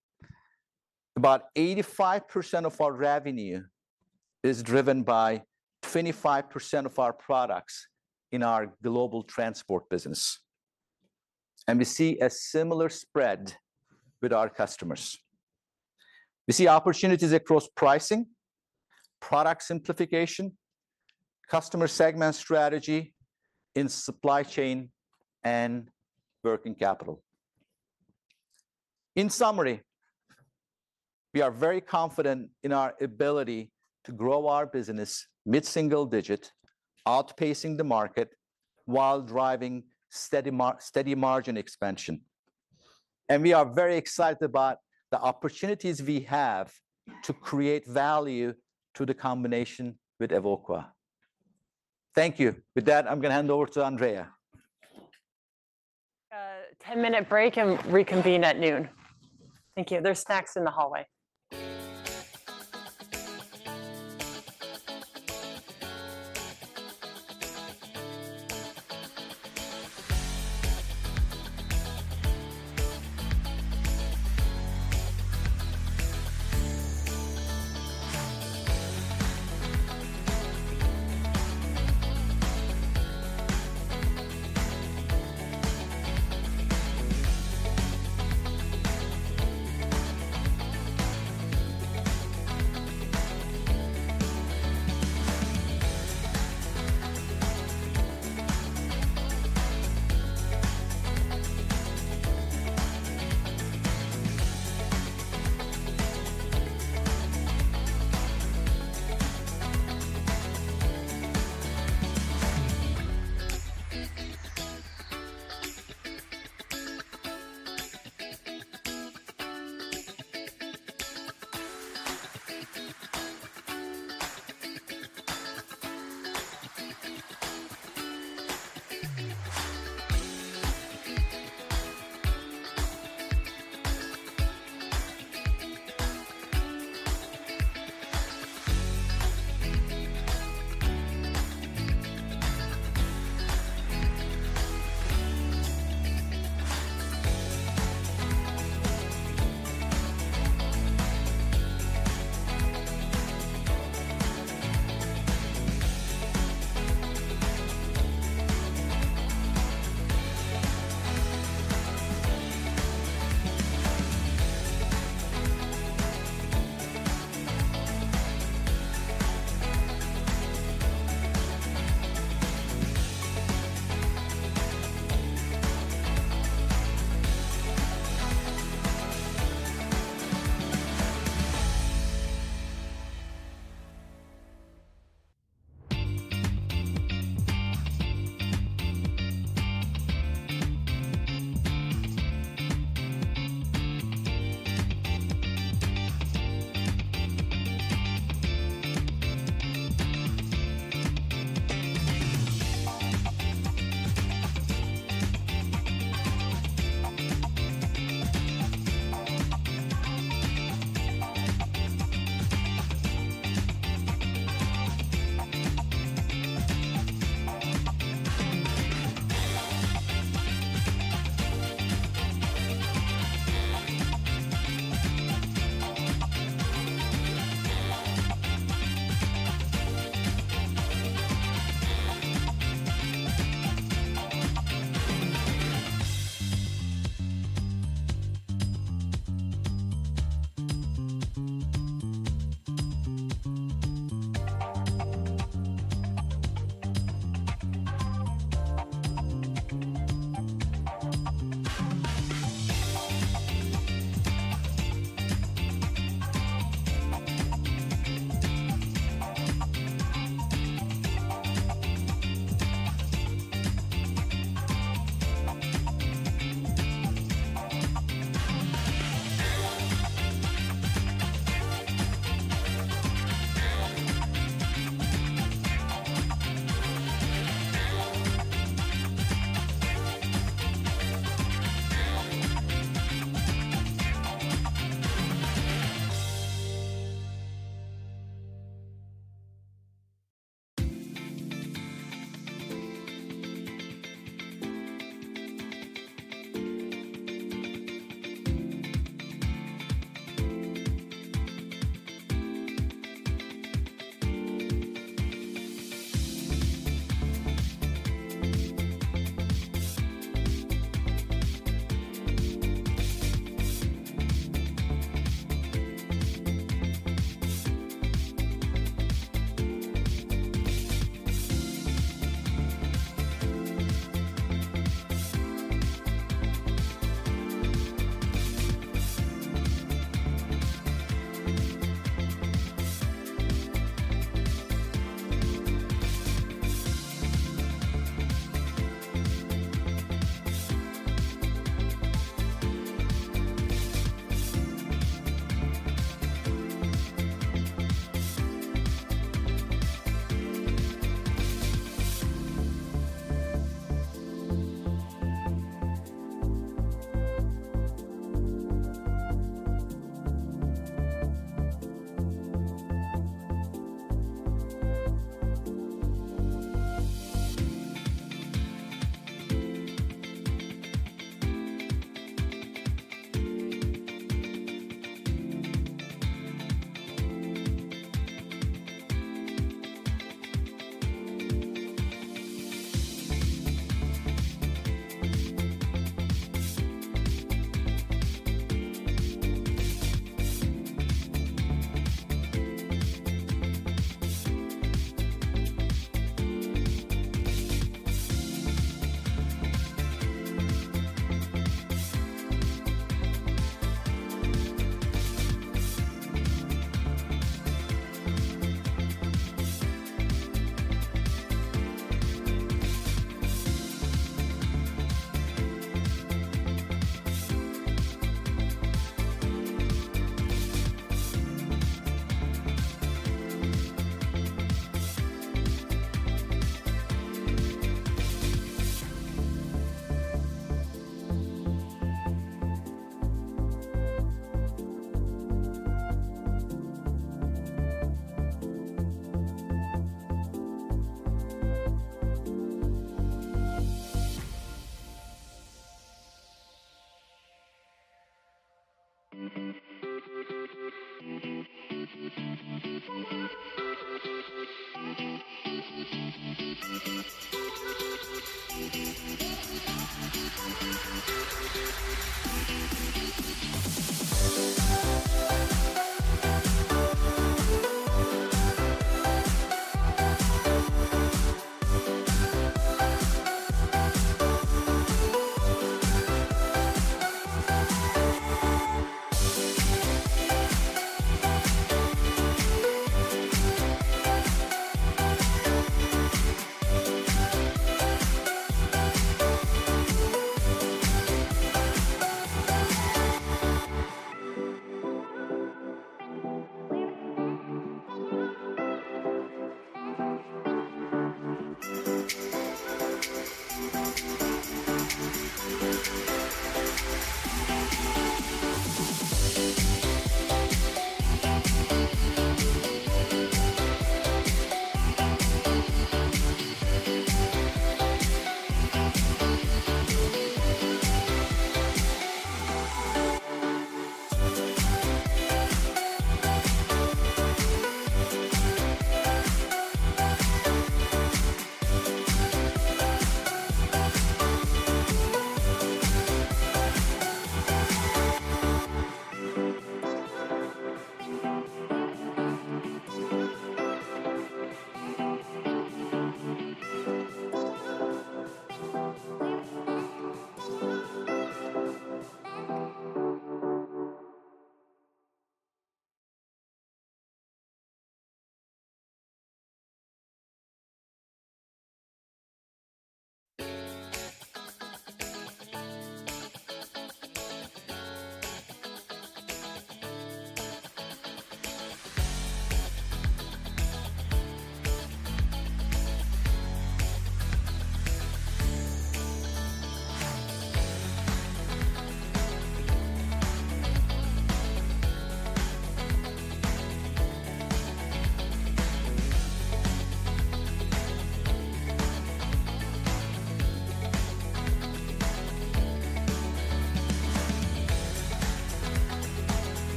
about 85% of our revenue is driven by 25% of our products in our global transport business, and we see a similar spread with our customers. We see opportunities across pricing, product simplification, customer segment strategy in supply chain, and working capital. In summary, we are very confident in our ability to grow our business mid-single digit, outpacing the market while driving steady margin expansion. We are very excited about the opportunities we have to create value to the combination with Evoqua. Thank you. With that, I'm gonna hand over to Andrea. Ten-minute break and reconvene at noon. Thank you. There's snacks in the hallway. ...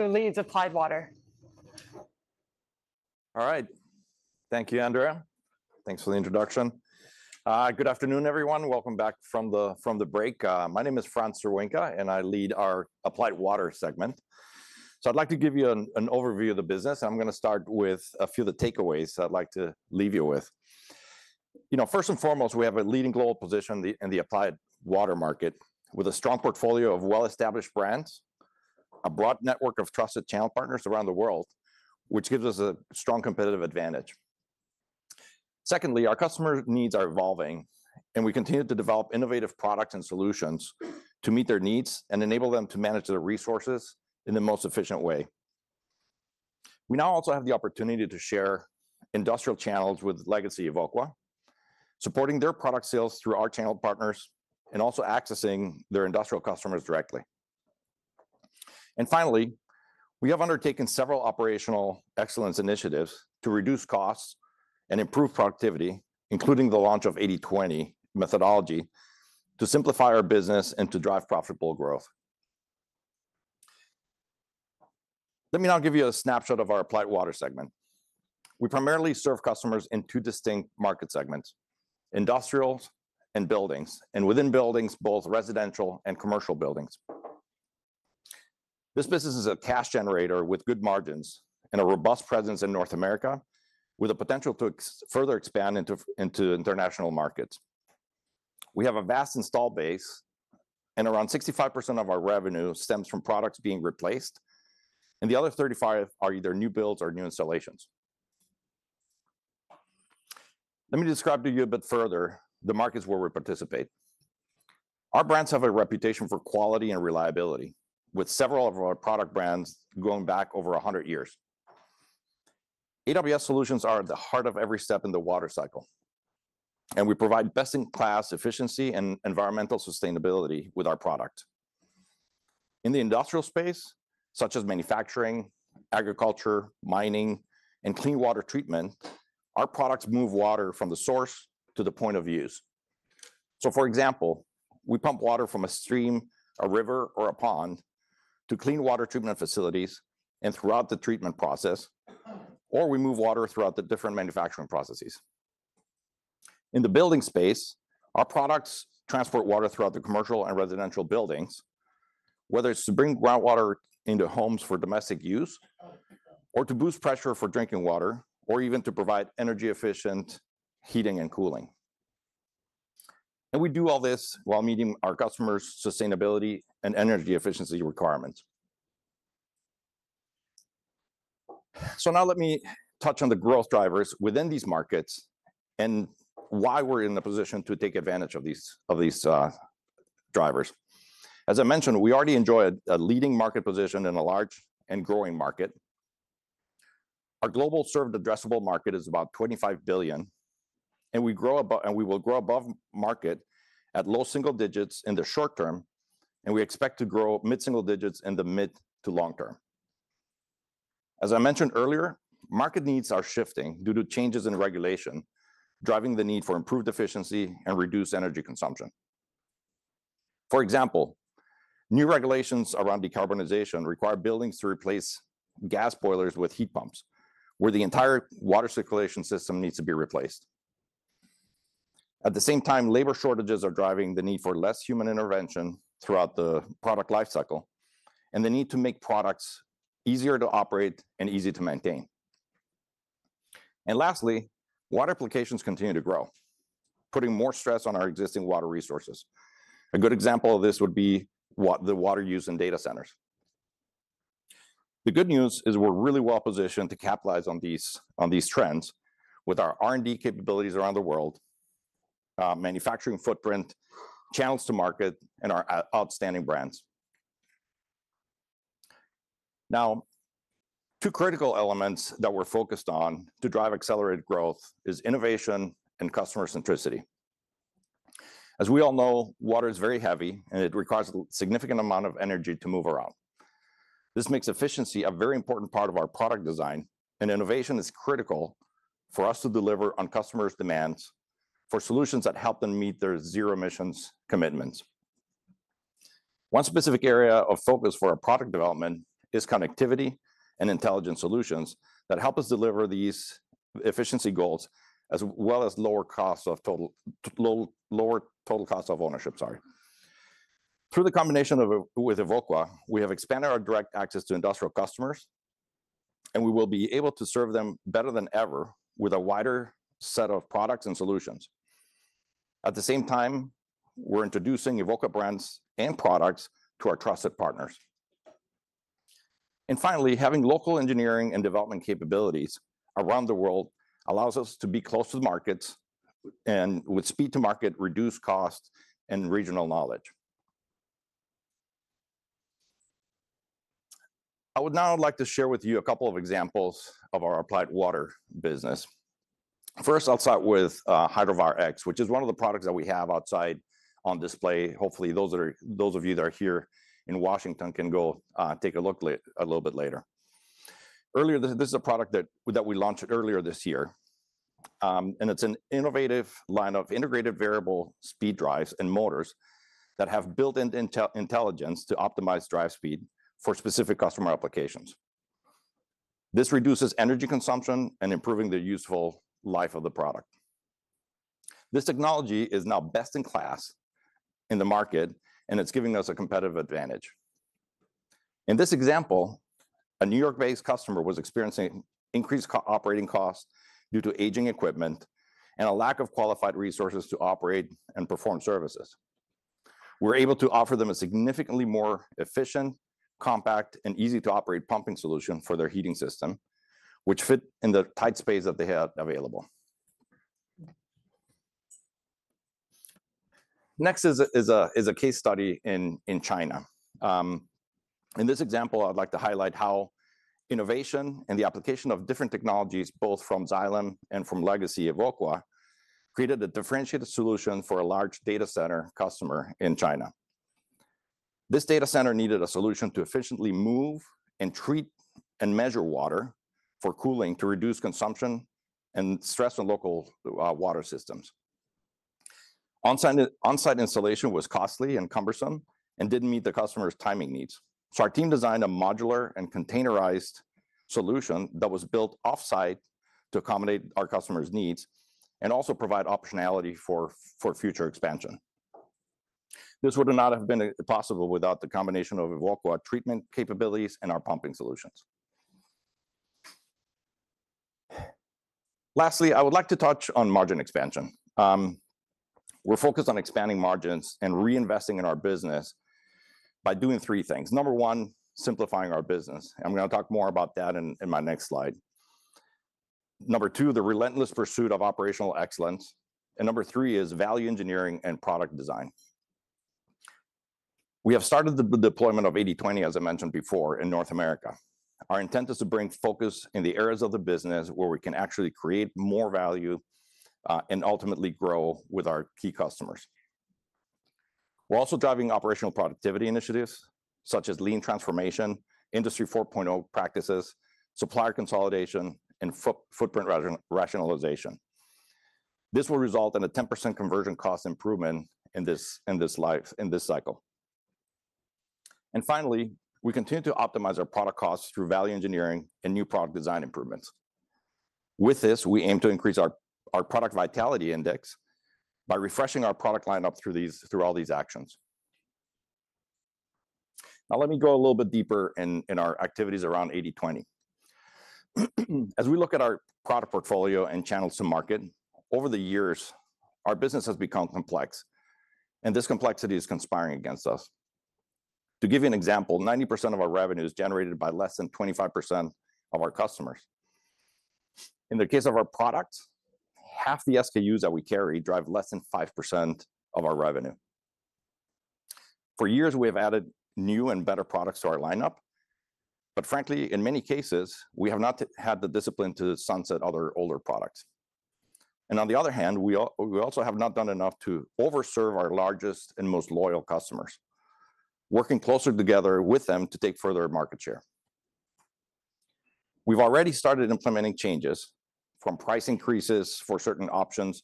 Who leads Applied Water? All right. Thank you, Andrea. Thanks for the introduction. Good afternoon, everyone. Welcome back from the break. My name is Franz Cerwinka, and I lead our Applied Water segment. I'd like to give you an overview of the business, and I'm gonna start with a few of the takeaways that I'd like to leave you with. You know, first and foremost, we have a leading global position in the applied water market, with a strong portfolio of well-established brands, a broad network of trusted channel partners around the world, which gives us a strong competitive advantage. Secondly, our customer needs are evolving, and we continue to develop innovative products and solutions to meet their needs and enable them to manage their resources in the most efficient way. We now also have the opportunity to share industrial channels with legacy Evoqua, supporting their product sales through our channel partners and also accessing their industrial customers directly. Finally, we have undertaken several operational excellence initiatives to reduce costs and improve productivity, including the launch of 80/20 methodology, to simplify our business and to drive profitable growth. Let me now give you a snapshot of our Applied Water segment. We primarily serve customers in two distinct market segments: industrials and buildings, and within buildings, both residential and commercial buildings. This business is a cash generator with good margins and a robust presence in North America, with a potential to expand further into international markets. We have a vast installed base, and around 65% of our revenue stems from products being replaced, and the other 35% are either new builds or new installations. Let me describe to you a bit further the markets where we participate. Our brands have a reputation for quality and reliability, with several of our product brands going back over 100 years. AWS solutions are at the heart of every step in the water cycle, and we provide best-in-class efficiency and environmental sustainability with our product. In the industrial space, such as manufacturing, agriculture, mining, and clean water treatment, our products move water from the source to the point of use. So, for example, we pump water from a stream, a river, or a pond to clean water treatment facilities and throughout the treatment process, or we move water throughout the different manufacturing processes. In the building space, our products transport water throughout the commercial and residential buildings, whether it's to bring groundwater into homes for domestic use, or to boost pressure for drinking water, or even to provide energy-efficient heating and cooling. And we do all this while meeting our customers' sustainability and energy efficiency requirements. So now let me touch on the growth drivers within these markets and why we're in the position to take advantage of these, of these, drivers. As I mentioned, we already enjoy a, a leading market position in a large and growing market. Our global served addressable market is about $25 billion, and we will grow above market at low single digits in the short term, and we expect to grow mid-single digits in the mid to long term. As I mentioned earlier, market needs are shifting due to changes in regulation, driving the need for improved efficiency and reduced energy consumption. For example, new regulations around decarbonization require buildings to replace gas boilers with heat pumps, where the entire water circulation system needs to be replaced. At the same time, labor shortages are driving the need for less human intervention throughout the product lifecycle and the need to make products easier to operate and easy to maintain. Lastly, water applications continue to grow, putting more stress on our existing water resources. A good example of this would be the water used in data centers. The good news is we're really well positioned to capitalize on these trends with our R&D capabilities around the world, manufacturing footprint, channels to market, and our outstanding brands... Now, two critical elements that we're focused on to drive accelerated growth is innovation and customer centricity. As we all know, water is very heavy, and it requires a significant amount of energy to move around. This makes efficiency a very important part of our product design, and innovation is critical for us to deliver on customers' demands for solutions that help them meet their zero emissions commitments. One specific area of focus for our product development is connectivity and intelligent solutions that help us deliver these efficiency goals, as well as lower total cost of ownership, sorry. Through the combination with Evoqua, we have expanded our direct access to industrial customers, and we will be able to serve them better than ever with a wider set of products and solutions. At the same time, we're introducing Evoqua brands and products to our trusted partners. Finally, having local engineering and development capabilities around the world allows us to be close to the markets and with speed to market, reduce costs, and regional knowledge. I would now like to share with you a couple of examples of our Applied Water business. First, I'll start with Hydrovar X, which is one of the products that we have outside on display. Hopefully, those of you that are here in Washington can go take a look a little bit later. Earlier, this is a product that we launched earlier this year, and it's an innovative line of integrated variable speed drives and motors that have built-in intelligence to optimize drive speed for specific customer applications. This reduces energy consumption and improving the useful life of the product. This technology is now best-in-class in the market, and it's giving us a competitive advantage. In this example, a New York-based customer was experiencing increased operating costs due to aging equipment and a lack of qualified resources to operate and perform services. We're able to offer them a significantly more efficient, compact, and easy-to-operate pumping solution for their heating system, which fit in the tight space that they had available. Next is a case study in China. In this example, I'd like to highlight how innovation and the application of different technologies, both from Xylem and from legacy Evoqua, created a differentiated solution for a large data center customer in China. This data center needed a solution to efficiently move and treat and measure water for cooling, to reduce consumption and stress on local water systems. On-site, on-site installation was costly and cumbersome and didn't meet the customer's timing needs, so our team designed a modular and containerized solution that was built off-site to accommodate our customer's needs and also provide optionality for future expansion. This would not have been possible without the combination of Evoqua treatment capabilities and our pumping solutions. Lastly, I would like to touch on margin expansion. We're focused on expanding margins and reinvesting in our business by doing three things. Number one, simplifying our business. I'm gonna talk more about that in my next slide. Number two, the relentless pursuit of operational excellence. And number three is value engineering and product design. We have started the deployment of 80/20, as I mentioned before, in North America. Our intent is to bring focus in the areas of the business where we can actually create more value, and ultimately grow with our key customers. We're also driving operational productivity initiatives such as lean transformation, Industry 4.0 practices, supplier consolidation, and footprint rationalization. This will result in a 10% conversion cost improvement in this lifecycle. Finally, we continue to optimize our product costs through value engineering and new product design improvements. With this, we aim to increase our product vitality index by refreshing our product lineup through all these actions. Now, let me go a little bit deeper in our activities around 80/20. As we look at our product portfolio and channels to market, over the years, our business has become complex, and this complexity is conspiring against us. To give you an example, 90% of our revenue is generated by less than 25% of our customers. In the case of our products, half the SKUs that we carry drive less than 5% of our revenue. For years, we have added new and better products to our lineup, but frankly, in many cases, we have not had the discipline to sunset other older products. On the other hand, we also have not done enough to overserve our largest and most loyal customers, working closer together with them to take further market share. We've already started implementing changes, from price increases for certain options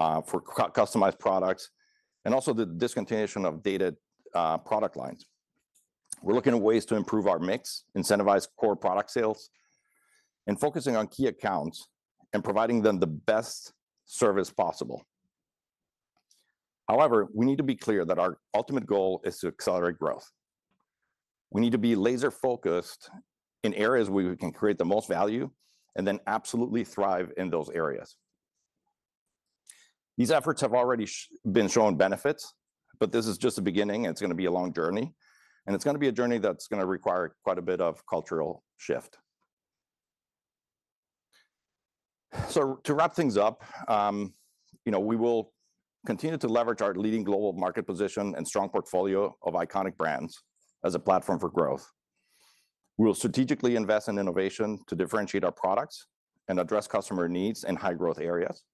for customized products, and also the discontinuation of dated product lines. We're looking at ways to improve our mix, incentivize core product sales, and focusing on key accounts and providing them the best service possible. However, we need to be clear that our ultimate goal is to accelerate growth. We need to be laser-focused in areas where we can create the most value and then absolutely thrive in those areas. These efforts have already been showing benefits, but this is just the beginning, it's gonna be a long journey, and it's gonna be a journey that's gonna require quite a bit of cultural shift. So to wrap things up, you know, we will continue to leverage our leading global market position and strong portfolio of iconic brands as a platform for growth. We will strategically invest in innovation to differentiate our products and address customer needs in high-growth areas.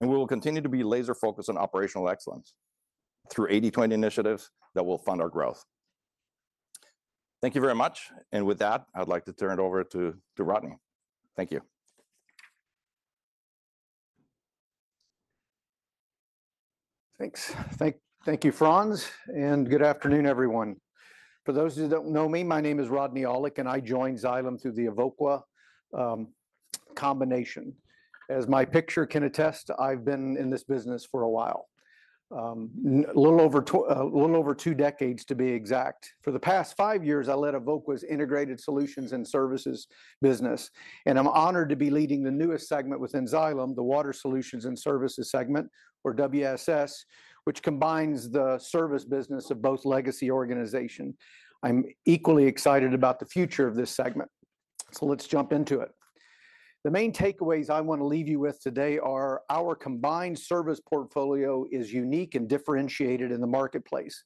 We will continue to be laser-focused on operational excellence through 80/20 initiatives that will fund our growth. Thank you very much, and with that, I'd like to turn it over to Rodney. Thank you. Thanks. Thank you, Franz, and good afternoon, everyone. For those of you that don't know me, my name is Rodney Aulick, and I joined Xylem through the Evoqua combination. As my picture can attest, I've been in this business for a while, a little over 2 decades, to be exact. For the past 5 years, I led Evoqua's Integrated Solutions and Services business, and I'm honored to be leading the newest segment within Xylem, the Water Solutions and Services segment, or WSS, which combines the service business of both legacy organization. I'm equally excited about the future of this segment, so let's jump into it. The main takeaways I want to leave you with today are: our combined service portfolio is unique and differentiated in the marketplace,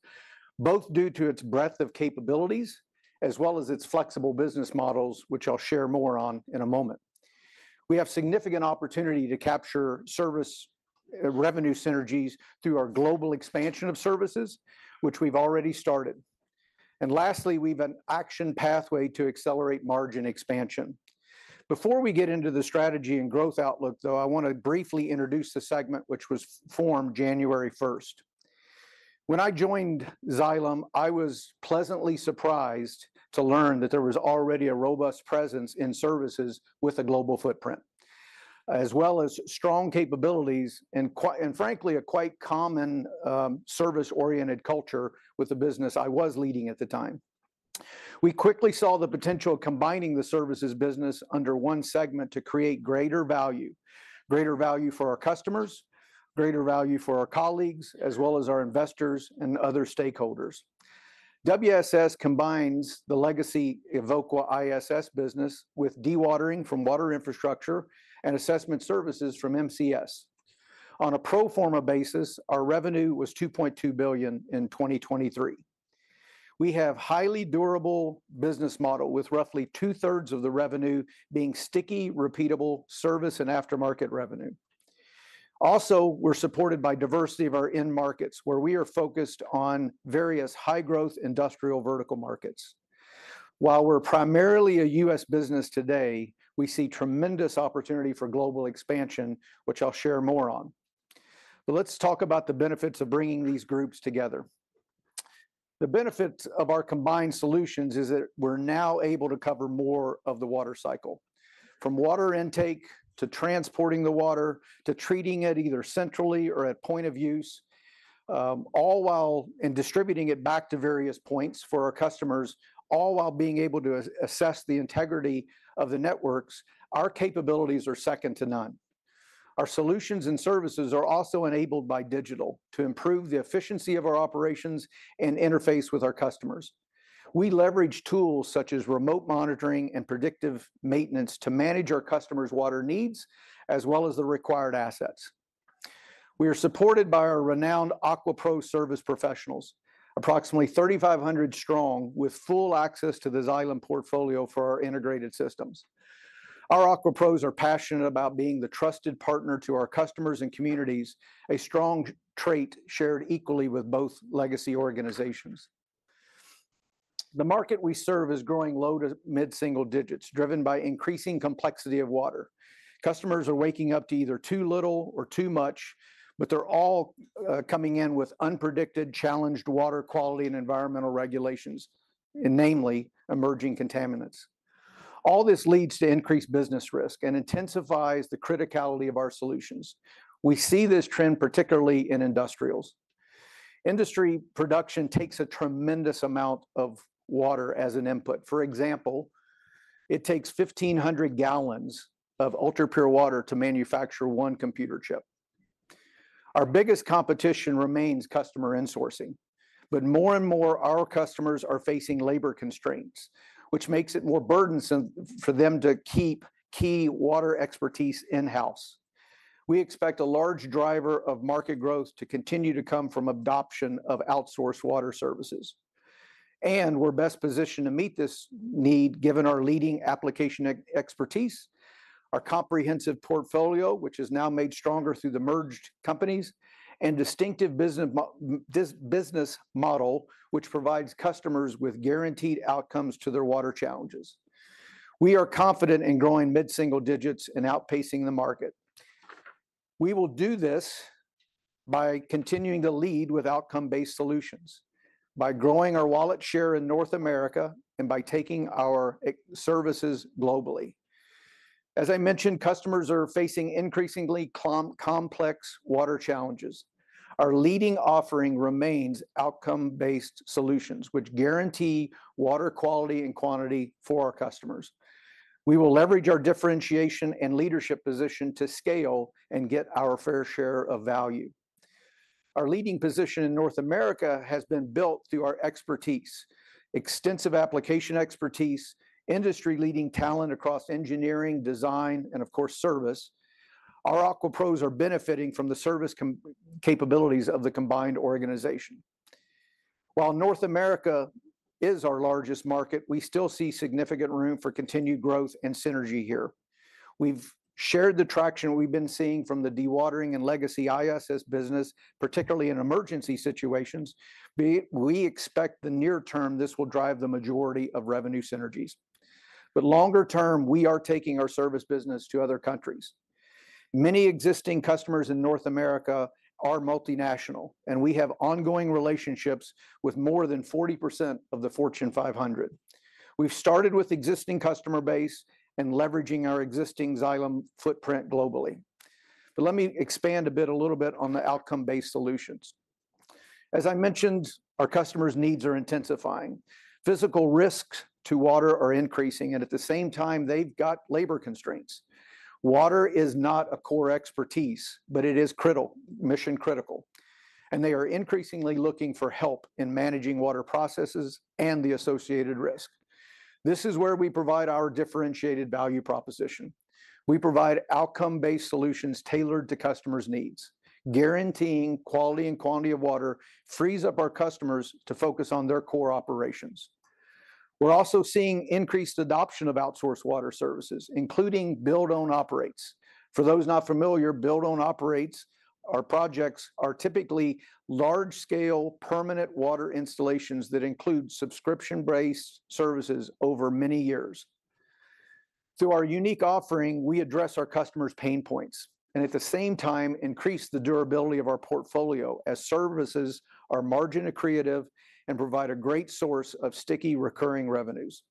both due to its breadth of capabilities as well as its flexible business models, which I'll share more on in a moment. We have significant opportunity to capture service revenue synergies through our global expansion of services, which we've already started. And lastly, we've an action pathway to accelerate margin expansion. Before we get into the strategy and growth outlook, though, I want to briefly introduce the segment, which was formed January 1st. When I joined Xylem, I was pleasantly surprised to learn that there was already a robust presence in services with a global footprint, as well as strong capabilities and frankly, a quite common service-oriented culture with the business I was leading at the time. We quickly saw the potential of combining the services business under one segment to create greater value, greater value for our customers, greater value for our colleagues, as well as our investors and other stakeholders. WSS combines the legacy Evoqua ISS business with Dewatering from Water Infrastructure and Assessment Services from M&CS. On a pro forma basis, our revenue was $2.2 billion in 2023. We have highly durable business model, with roughly 2/3 of the revenue being sticky, repeatable service and aftermarket revenue. Also, we're supported by diversity of our end markets, where we are focused on various high-growth industrial vertical markets. While we're primarily a U.S. business today, we see tremendous opportunity for global expansion, which I'll share more on. Let's talk about the benefits of bringing these groups together. The benefit of our combined solutions is that we're now able to cover more of the water cycle, from water intake, to transporting the water, to treating it either centrally or at point of use, and distributing it back to various points for our customers, all while being able to assess the integrity of the networks. Our capabilities are second to none. Our solutions and services are also enabled by digital to improve the efficiency of our operations and interface with our customers. We leverage tools such as remote monitoring and predictive maintenance to manage our customers' water needs, as well as the required assets. We are supported by our renowned AQUA pro service professionals, approximately 3,500 strong, with full access to the Xylem portfolio for our integrated systems. Our AQUA pros are passionate about being the trusted partner to our customers and communities, a strong trait shared equally with both legacy organizations. The market we serve is growing low to mid-single digits, driven by increasing complexity of water. Customers are waking up to either too little or too much, but they're all coming in with unpredicted, challenged water quality and environmental regulations, and namely, emerging contaminants. All this leads to increased business risk and intensifies the criticality of our solutions. We see this trend, particularly in industrials. Industry production takes a tremendous amount of water as an input. For example, it takes 1,500 gallons of ultrapure water to manufacture one computer chip. Our biggest competition remains customer insourcing, but more and more, our customers are facing labor constraints, which makes it more burdensome for them to keep key water expertise in-house. We expect a large driver of market growth to continue to come from adoption of outsourced water services. We're best positioned to meet this need, given our leading application expertise, our comprehensive portfolio, which is now made stronger through the merged companies, and distinctive business model, which provides customers with guaranteed outcomes to their water challenges. We are confident in growing mid-single digits and outpacing the market. We will do this by continuing to lead with outcome-based solutions, by growing our wallet share in North America, and by taking our services globally. As I mentioned, customers are facing increasingly complex water challenges. Our leading offering remains outcome-based solutions, which guarantee water quality and quantity for our customers. We will leverage our differentiation and leadership position to scale and get our fair share of value.... Our leading position in North America has been built through our expertise, extensive application expertise, industry-leading talent across engineering, design, and of course, service. Our AQUA pros are benefiting from the service capabilities of the combined organization. While North America is our largest market, we still see significant room for continued growth and synergy here. We've shared the traction we've been seeing from the Dewatering and legacy ISS business, particularly in emergency situations. We expect in the near term, this will drive the majority of revenue synergies. But longer term, we are taking our service business to other countries. Many existing customers in North America are multinational, and we have ongoing relationships with more than 40% of the Fortune 500. We've started with existing customer base and leveraging our existing Xylem footprint globally. But let me expand a bit, a little bit on the outcome-based solutions. As I mentioned, our customers' needs are intensifying. Physical risks to water are increasing, and at the same time, they've got labor constraints. Water is not a core expertise, but it is critical, mission-critical, and they are increasingly looking for help in managing water processes and the associated risk. This is where we provide our differentiated value proposition. We provide outcome-based solutions tailored to customers' needs. Guaranteeing quality and quantity of water frees up our customers to focus on their core operations. We're also seeing increased adoption of outsourced water services, including build-own-operate. For those not familiar, build-own-operate are typically large-scale, permanent water installations that include subscription-based services over many years. Through our unique offering, we address our customers' pain points, and at the same time, increase the durability of our portfolio as services are margin accretive and provide a great source of sticky, recurring revenues.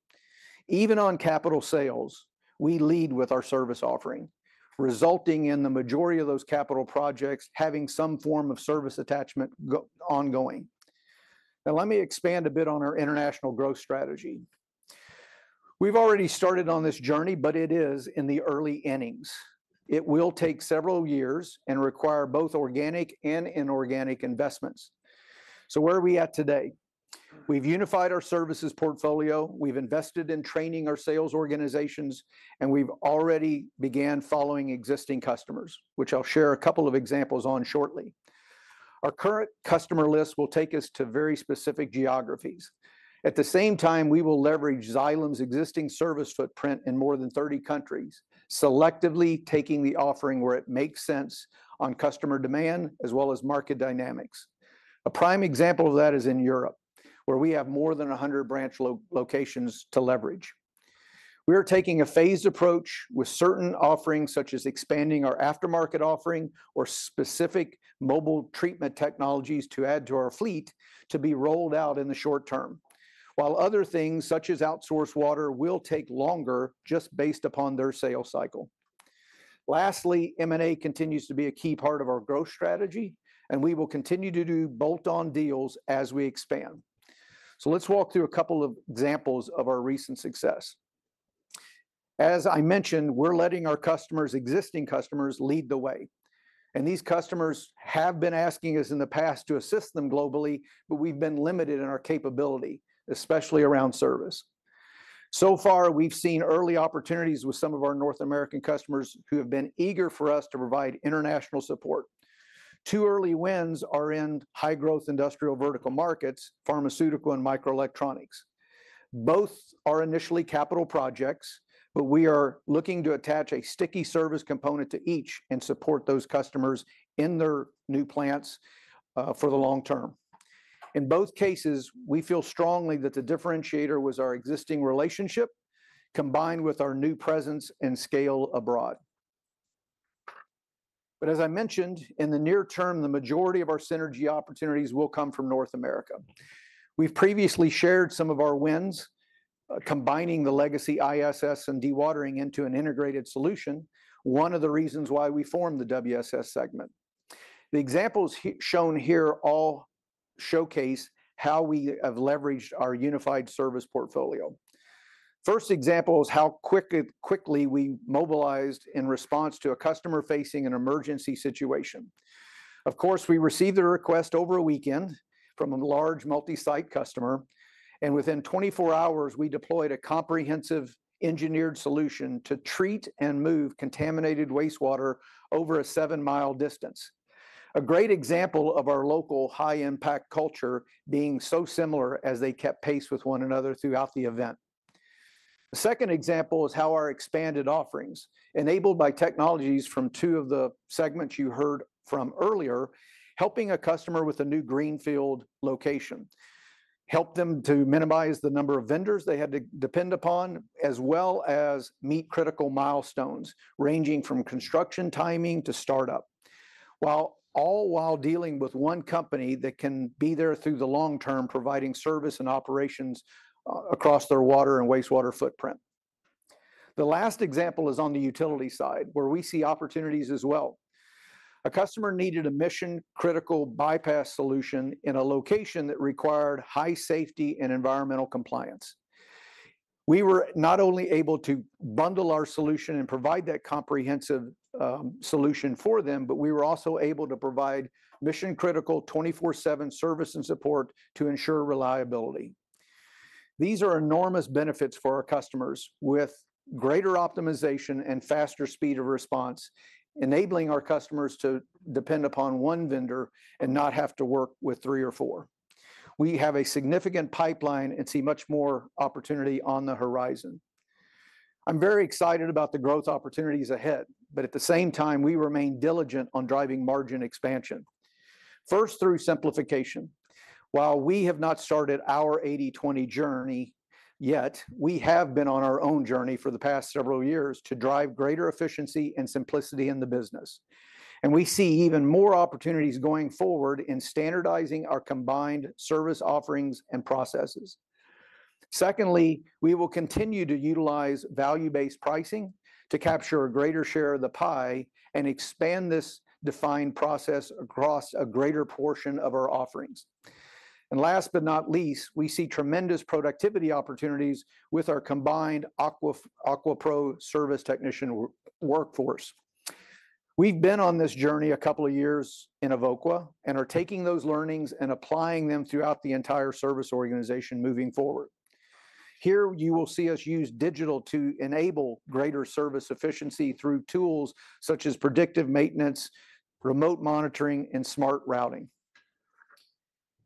Even on capital sales, we lead with our service offering, resulting in the majority of those capital projects having some form of service attachment ongoing. Now, let me expand a bit on our international growth strategy. We've already started on this journey, but it is in the early innings. It will take several years and require both organic and inorganic investments. So where are we at today? We've unified our services portfolio, we've invested in training our sales organizations, and we've already began following existing customers, which I'll share a couple of examples on shortly. Our current customer list will take us to very specific geographies. At the same time, we will leverage Xylem's existing service footprint in more than 30 countries, selectively taking the offering where it makes sense on customer demand as well as market dynamics. A prime example of that is in Europe, where we have more than 100 branch locations to leverage. We are taking a phased approach with certain offerings, such as expanding our aftermarket offering or specific mobile treatment technologies to add to our fleet, to be rolled out in the short term, while other things, such as outsourced water, will take longer just based upon their sales cycle. Lastly, M&A continues to be a key part of our growth strategy, and we will continue to do bolt-on deals as we expand. So let's walk through a couple of examples of our recent success. As I mentioned, we're letting our customers, existing customers, lead the way, and these customers have been asking us in the past to assist them globally, but we've been limited in our capability, especially around service. So far, we've seen early opportunities with some of our North American customers who have been eager for us to provide international support. Two early wins are in high-growth industrial vertical markets, pharmaceutical and microelectronics. Both are initially capital projects, but we are looking to attach a sticky service component to each and support those customers in their new plants, for the long term. In both cases, we feel strongly that the differentiator was our existing relationship, combined with our new presence and scale abroad. But as I mentioned, in the near term, the majority of our synergy opportunities will come from North America. We've previously shared some of our wins, combining the legacy ISS and Dewatering into an integrated solution, one of the reasons why we formed the WSS segment. The examples shown here all showcase how we have leveraged our unified service portfolio. First example is how quickly we mobilized in response to a customer facing an emergency situation. Of course, we received a request over a weekend from a large multi-site customer, and within 24 hours, we deployed a comprehensive engineered solution to treat and move contaminated wastewater over a 7-mile distance. A great example of our local High-Impact Culture being so similar as they kept pace with one another throughout the event. The second example is how our expanded offerings, enabled by technologies from two of the segments you heard from earlier, helping a customer with a new greenfield location, helped them to minimize the number of vendors they had to depend upon, as well as meet critical milestones, ranging from construction timing to startup. All while dealing with one company that can be there through the long term, providing service and operations across their water and wastewater footprint. The last example is on the utility side, where we see opportunities as well. A customer needed a mission-critical bypass solution in a location that required high safety and environmental compliance. We were not only able to bundle our solution and provide that comprehensive solution for them, but we were also able to provide mission-critical, 24/7 service and support to ensure reliability. These are enormous benefits for our customers, with greater optimization and faster speed of response, enabling our customers to depend upon one vendor and not have to work with three or four. We have a significant pipeline and see much more opportunity on the horizon. I'm very excited about the growth opportunities ahead, but at the same time, we remain diligent on driving margin expansion. First, through simplification. While we have not started our 80/20 journey yet, we have been on our own journey for the past several years to drive greater efficiency and simplicity in the business, and we see even more opportunities going forward in standardizing our combined service offerings and processes. Secondly, we will continue to utilize value-based pricing to capture a greater share of the pie and expand this defined process across a greater portion of our offerings. And last but not least, we see tremendous productivity opportunities with our combined AQUA pro service technician workforce. We've been on this journey a couple of years in Evoqua and are taking those learnings and applying them throughout the entire service organization moving forward. Here, you will see us use digital to enable greater service efficiency through tools such as predictive maintenance, remote monitoring, and smart routing.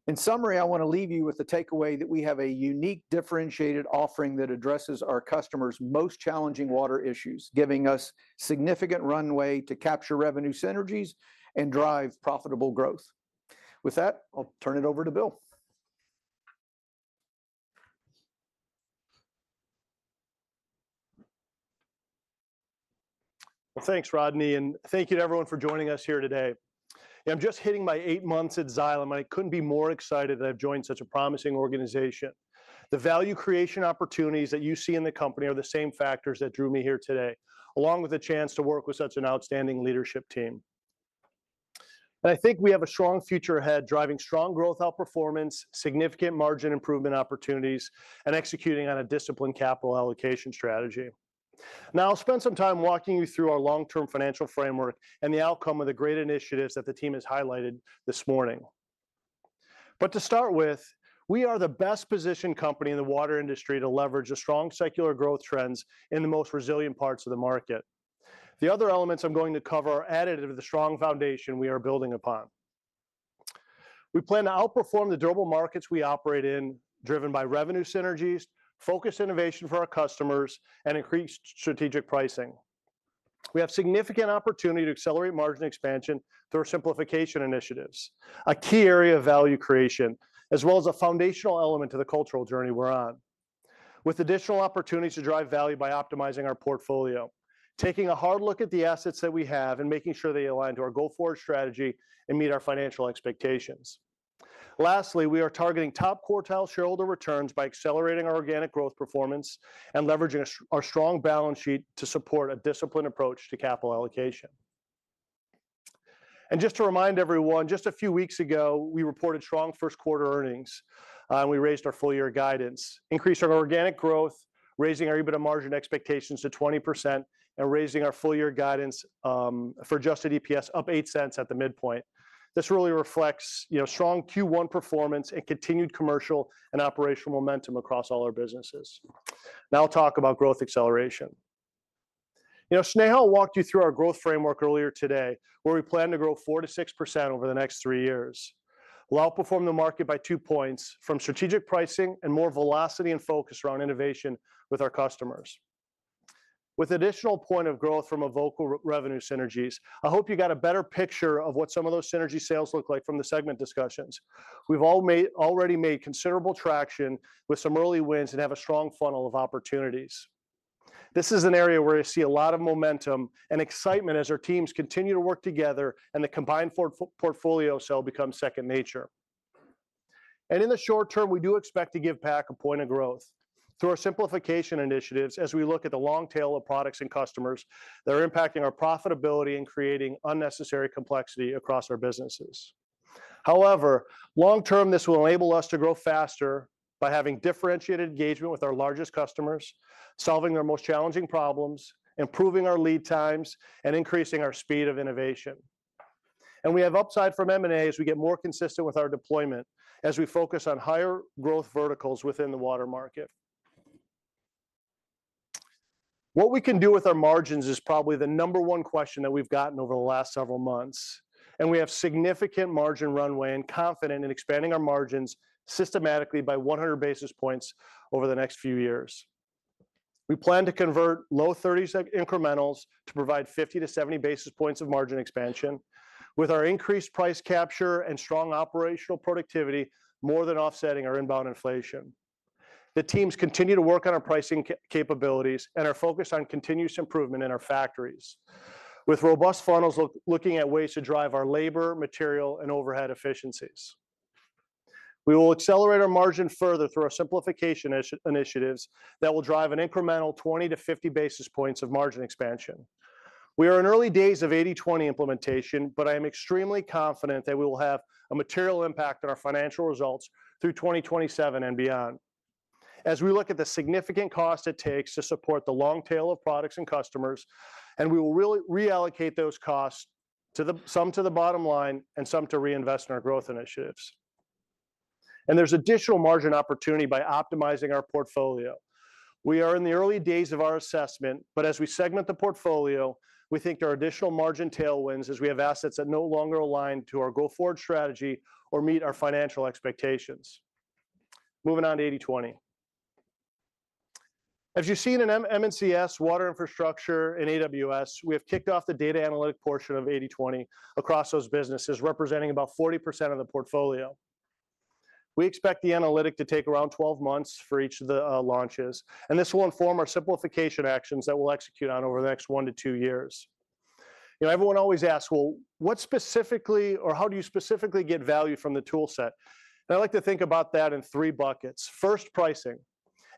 In summary, I wanna leave you with the takeaway that we have a unique, differentiated offering that addresses our customers' most challenging water issues, giving us significant runway to capture revenue synergies and drive profitable growth. With that, I'll turn it over to Bill. Well, thanks, Rodney, and thank you to everyone for joining us here today. I'm just hitting my 8 months at Xylem, and I couldn't be more excited that I've joined such a promising organization. The value creation opportunities that you see in the company are the same factors that drew me here today, along with a chance to work with such an outstanding leadership team. I think we have a strong future ahead, driving strong growth outperformance, significant margin improvement opportunities, and executing on a disciplined capital allocation strategy. Now, I'll spend some time walking you through our long-term financial framework and the outcome of the great initiatives that the team has highlighted this morning. To start with, we are the best-positioned company in the water industry to leverage the strong secular growth trends in the most resilient parts of the market. The other elements I'm going to cover are additive to the strong foundation we are building upon. We plan to outperform the durable markets we operate in, driven by revenue synergies, focused innovation for our customers, and increased strategic pricing. We have significant opportunity to accelerate margin expansion through our simplification initiatives, a key area of value creation, as well as a foundational element to the cultural journey we're on, with additional opportunities to drive value by optimizing our portfolio, taking a hard look at the assets that we have, and making sure they align to our go-forward strategy and meet our financial expectations. Lastly, we are targeting top-quartile shareholder returns by accelerating our organic growth performance and leveraging our strong balance sheet to support a disciplined approach to capital allocation. Just to remind everyone, just a few weeks ago, we reported strong first quarter earnings, and we raised our full-year guidance, increased our organic growth, raising our EBITDA margin expectations to 20%, and raising our full-year guidance for adjusted EPS up $0.08 at the midpoint. This really reflects, you know, strong Q1 performance and continued commercial and operational momentum across all our businesses. Now I'll talk about growth acceleration. You know, Snehal walked you through our growth framework earlier today, where we plan to grow 4%-6% over the next three years. We'll outperform the market by two points from strategic pricing and more velocity and focus around innovation with our customers. With additional point of growth from Evoqua revenue synergies, I hope you got a better picture of what some of those synergy sales look like from the segment discussions. We've all already made considerable traction with some early wins and have a strong funnel of opportunities. This is an area where I see a lot of momentum and excitement as our teams continue to work together and the combined portfolio sale becomes second nature. In the short term, we do expect to giveback a point of growth through our simplification initiatives as we look at the long tail of products and customers that are impacting our profitability and creating unnecessary complexity across our businesses. However, long term, this will enable us to grow faster by having differentiated engagement with our largest customers, solving their most challenging problems, improving our lead times, and increasing our speed of innovation. We have upside from M&A as we get more consistent with our deployment, as we focus on higher growth verticals within the water market. What we can do with our margins is probably the number one question that we've gotten over the last several months, and we have significant margin runway and confident in expanding our margins systematically by 100 basis points over the next few years. We plan to convert low 30s incrementals to provide 50-70 basis points of margin expansion, with our increased price capture and strong operational productivity more than offsetting our inbound inflation. The teams continue to work on our pricing capabilities and are focused on continuous improvement in our factories, with robust funnels looking at ways to drive our labor, material, and overhead efficiencies. We will accelerate our margin further through our simplification initiatives that will drive an incremental 20-50 basis points of margin expansion. We are in early days of 80/20 implementation, but I am extremely confident that we will have a material impact on our financial results through 2027 and beyond. As we look at the significant cost it takes to support the long tail of products and customers, and we will reallocate those costs, some to the bottom line and some to reinvest in our growth initiatives. And there's additional margin opportunity by optimizing our portfolio. We are in the early days of our assessment, but as we segment the portfolio, we think there are additional margin tailwinds as we have assets that no longer align to our go-forward strategy or meet our financial expectations. Moving on to 80/20. As you've seen in M&CS, Water Infrastructure, and AWS, we have kicked off the data analytic portion of 80/20 across those businesses, representing about 40% of the portfolio. We expect the analytic to take around 12 months for each of the launches, and this will inform our simplification actions that we'll execute on over the next 1-2 years. You know, everyone always asks: "Well, what specifically... or how do you specifically get value from the tool set?" I like to think about that in 3 buckets. First, pricing.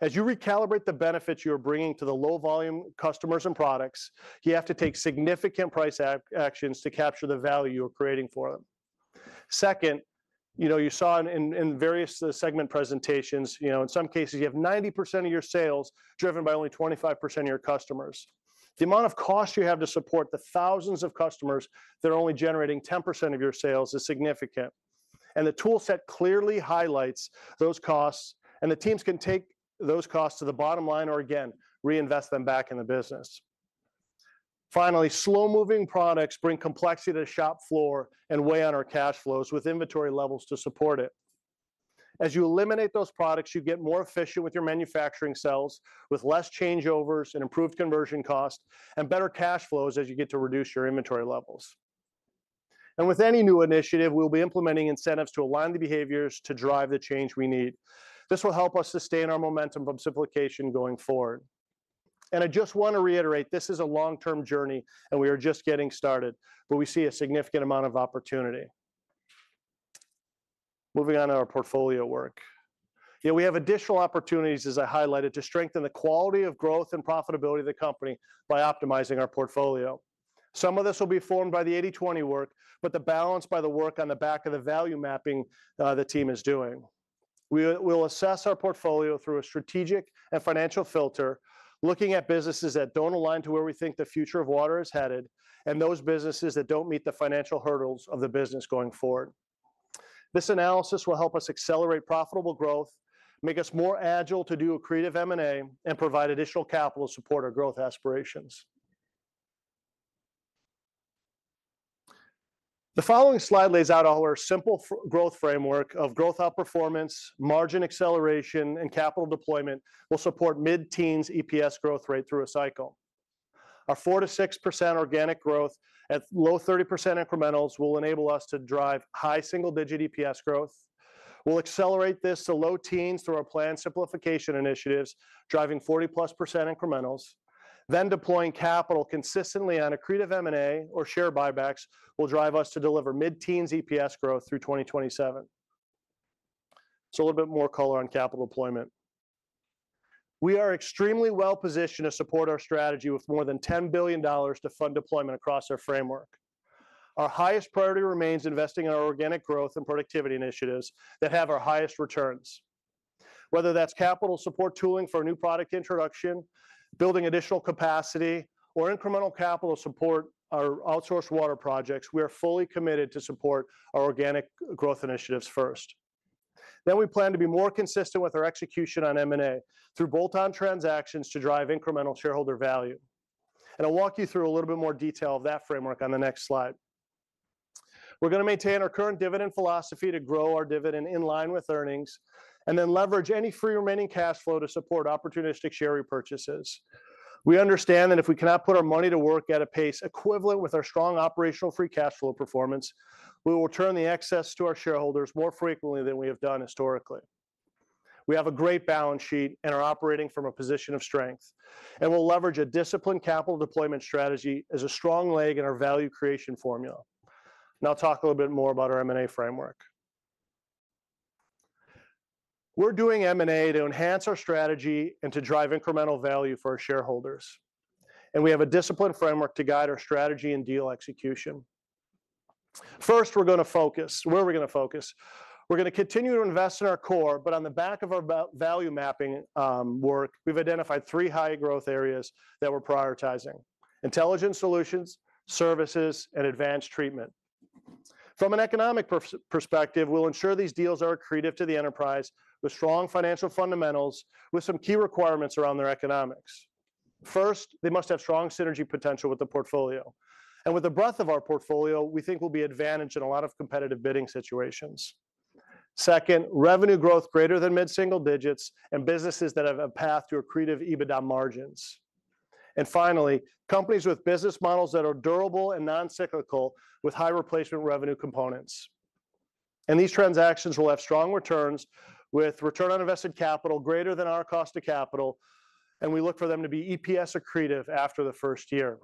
As you recalibrate the benefits you're bringing to the low-volume customers and products, you have to take significant price actions to capture the value you're creating for them. Second, you know, you saw in various segment presentations, you know, in some cases, you have 90% of your sales driven by only 25% of your customers. The amount of cost you have to support the thousands of customers that are only generating 10% of your sales is significant, and the tool set clearly highlights those costs, and the teams can take those costs to the bottom line or, again, reinvest them back in the business. Finally, slow-moving products bring complexity to the shop floor and weigh on our cash flows with inventory levels to support it. As you eliminate those products, you get more efficient with your manufacturing cells, with less changeovers and improved conversion cost, and better cash flows as you get to reduce your inventory levels. With any new initiative, we'll be implementing incentives to align the behaviors to drive the change we need. This will help us sustain our momentum from simplification going forward. I just want to reiterate, this is a long-term journey, and we are just getting started, but we see a significant amount of opportunity. Moving on to our portfolio work. You know, we have additional opportunities, as I highlighted, to strengthen the quality of growth and profitability of the company by optimizing our portfolio. Some of this will be formed by the 80/20 work, but the balance by the work on the back of the value mapping, the team is doing. We will, we'll assess our portfolio through a strategic and financial filter, looking at businesses that don't align to where we think the future of water is headed, and those businesses that don't meet the financial hurdles of the business going forward. This analysis will help us accelerate profitable growth, make us more agile to do accretive M&A, and provide additional capital to support our growth aspirations. The following slide lays out all our simple growth framework of growth outperformance, margin acceleration, and capital deployment will support mid-teens EPS growth rate through a cycle. A 4%-6% organic growth at low 30% incrementals will enable us to drive high single-digit EPS growth. We'll accelerate this to low teens through our planned simplification initiatives, driving 40+% incrementals. Then, deploying capital consistently on accretive M&A or share buybacks will drive us to deliver mid-teens EPS growth through 2027. So a little bit more color on capital deployment. We are extremely well-positioned to support our strategy with more than $10 billion to fund deployment across our framework. Our highest priority remains investing in our organic growth and productivity initiatives that have our highest returns. Whether that's capital support tooling for a new product introduction, building additional capacity, or incremental capital to support our outsourced water projects, we are fully committed to support our organic growth initiatives first. Then, we plan to be more consistent with our execution on M&A through bolt-on transactions to drive incremental shareholder value. And I'll walk you through a little bit more detail of that framework on the next slide. We're gonna maintain our current dividend philosophy to grow our dividend in line with earnings, and then leverage any free remaining cash flow to support opportunistic share repurchases. We understand that if we cannot put our money to work at a pace equivalent with our strong operational free cash flow performance, we will return the excess to our shareholders more frequently than we have done historically. We have a great balance sheet and are operating from a position of strength, and we'll leverage a disciplined capital deployment strategy as a strong leg in our value creation formula. Now, I'll talk a little bit more about our M&A framework. We're doing M&A to enhance our strategy and to drive incremental value for our shareholders, and we have a disciplined framework to guide our strategy and deal execution. First, we're gonna focus. Where are we gonna focus? We're gonna continue to invest in our core, but on the back of our value mapping work, we've identified three high-growth areas that we're prioritizing: intelligence solutions, services, and advanced treatment. From an economic perspective, we'll ensure these deals are accretive to the enterprise with strong financial fundamentals, with some key requirements around their economics. First, they must have strong synergy potential with the portfolio. And with the breadth of our portfolio, we think we'll be advantaged in a lot of competitive bidding situations. Second, revenue growth greater than mid-single digits and businesses that have a path to accretive EBITDA margins. And finally, companies with business models that are durable and non-cyclical, with high replacement revenue components. These transactions will have strong returns, with return on invested capital greater than our cost of capital, and we look for them to be EPS accretive after the first year.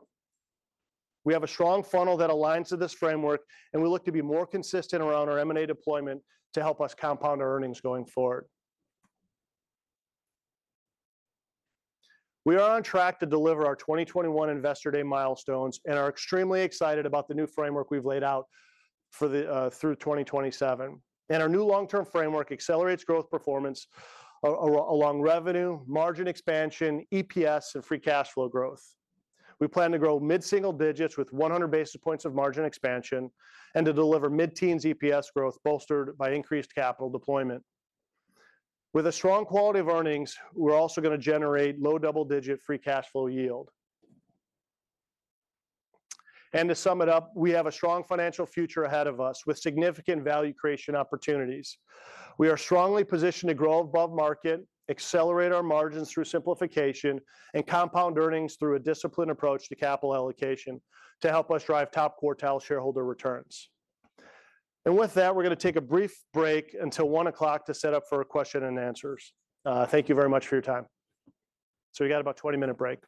We have a strong funnel that aligns to this framework, and we look to be more consistent around our M&A deployment to help us compound our earnings going forward. We are on track to deliver our 2021 Investor Day milestones and are extremely excited about the new framework we've laid out for the through 2027. Our new long-term framework accelerates growth performance along revenue, margin expansion, EPS, and free cash flow growth. We plan to grow mid-single digits with 100 basis points of margin expansion and to deliver mid-teens EPS growth, bolstered by increased capital deployment. With a strong quality of earnings, we're also gonna generate low double-digit free cash flow yield. To sum it up, we have a strong financial future ahead of us with significant value creation opportunities. We are strongly positioned to grow above market, accelerate our margins through simplification, and compound earnings through a disciplined approach to capital allocation to help us drive top quartile shareholder returns. And with that, we're gonna take a brief break until 1:00 P.M. to set up for our question and answers. Thank you very much for your time. So you got about a 20-minute break. ...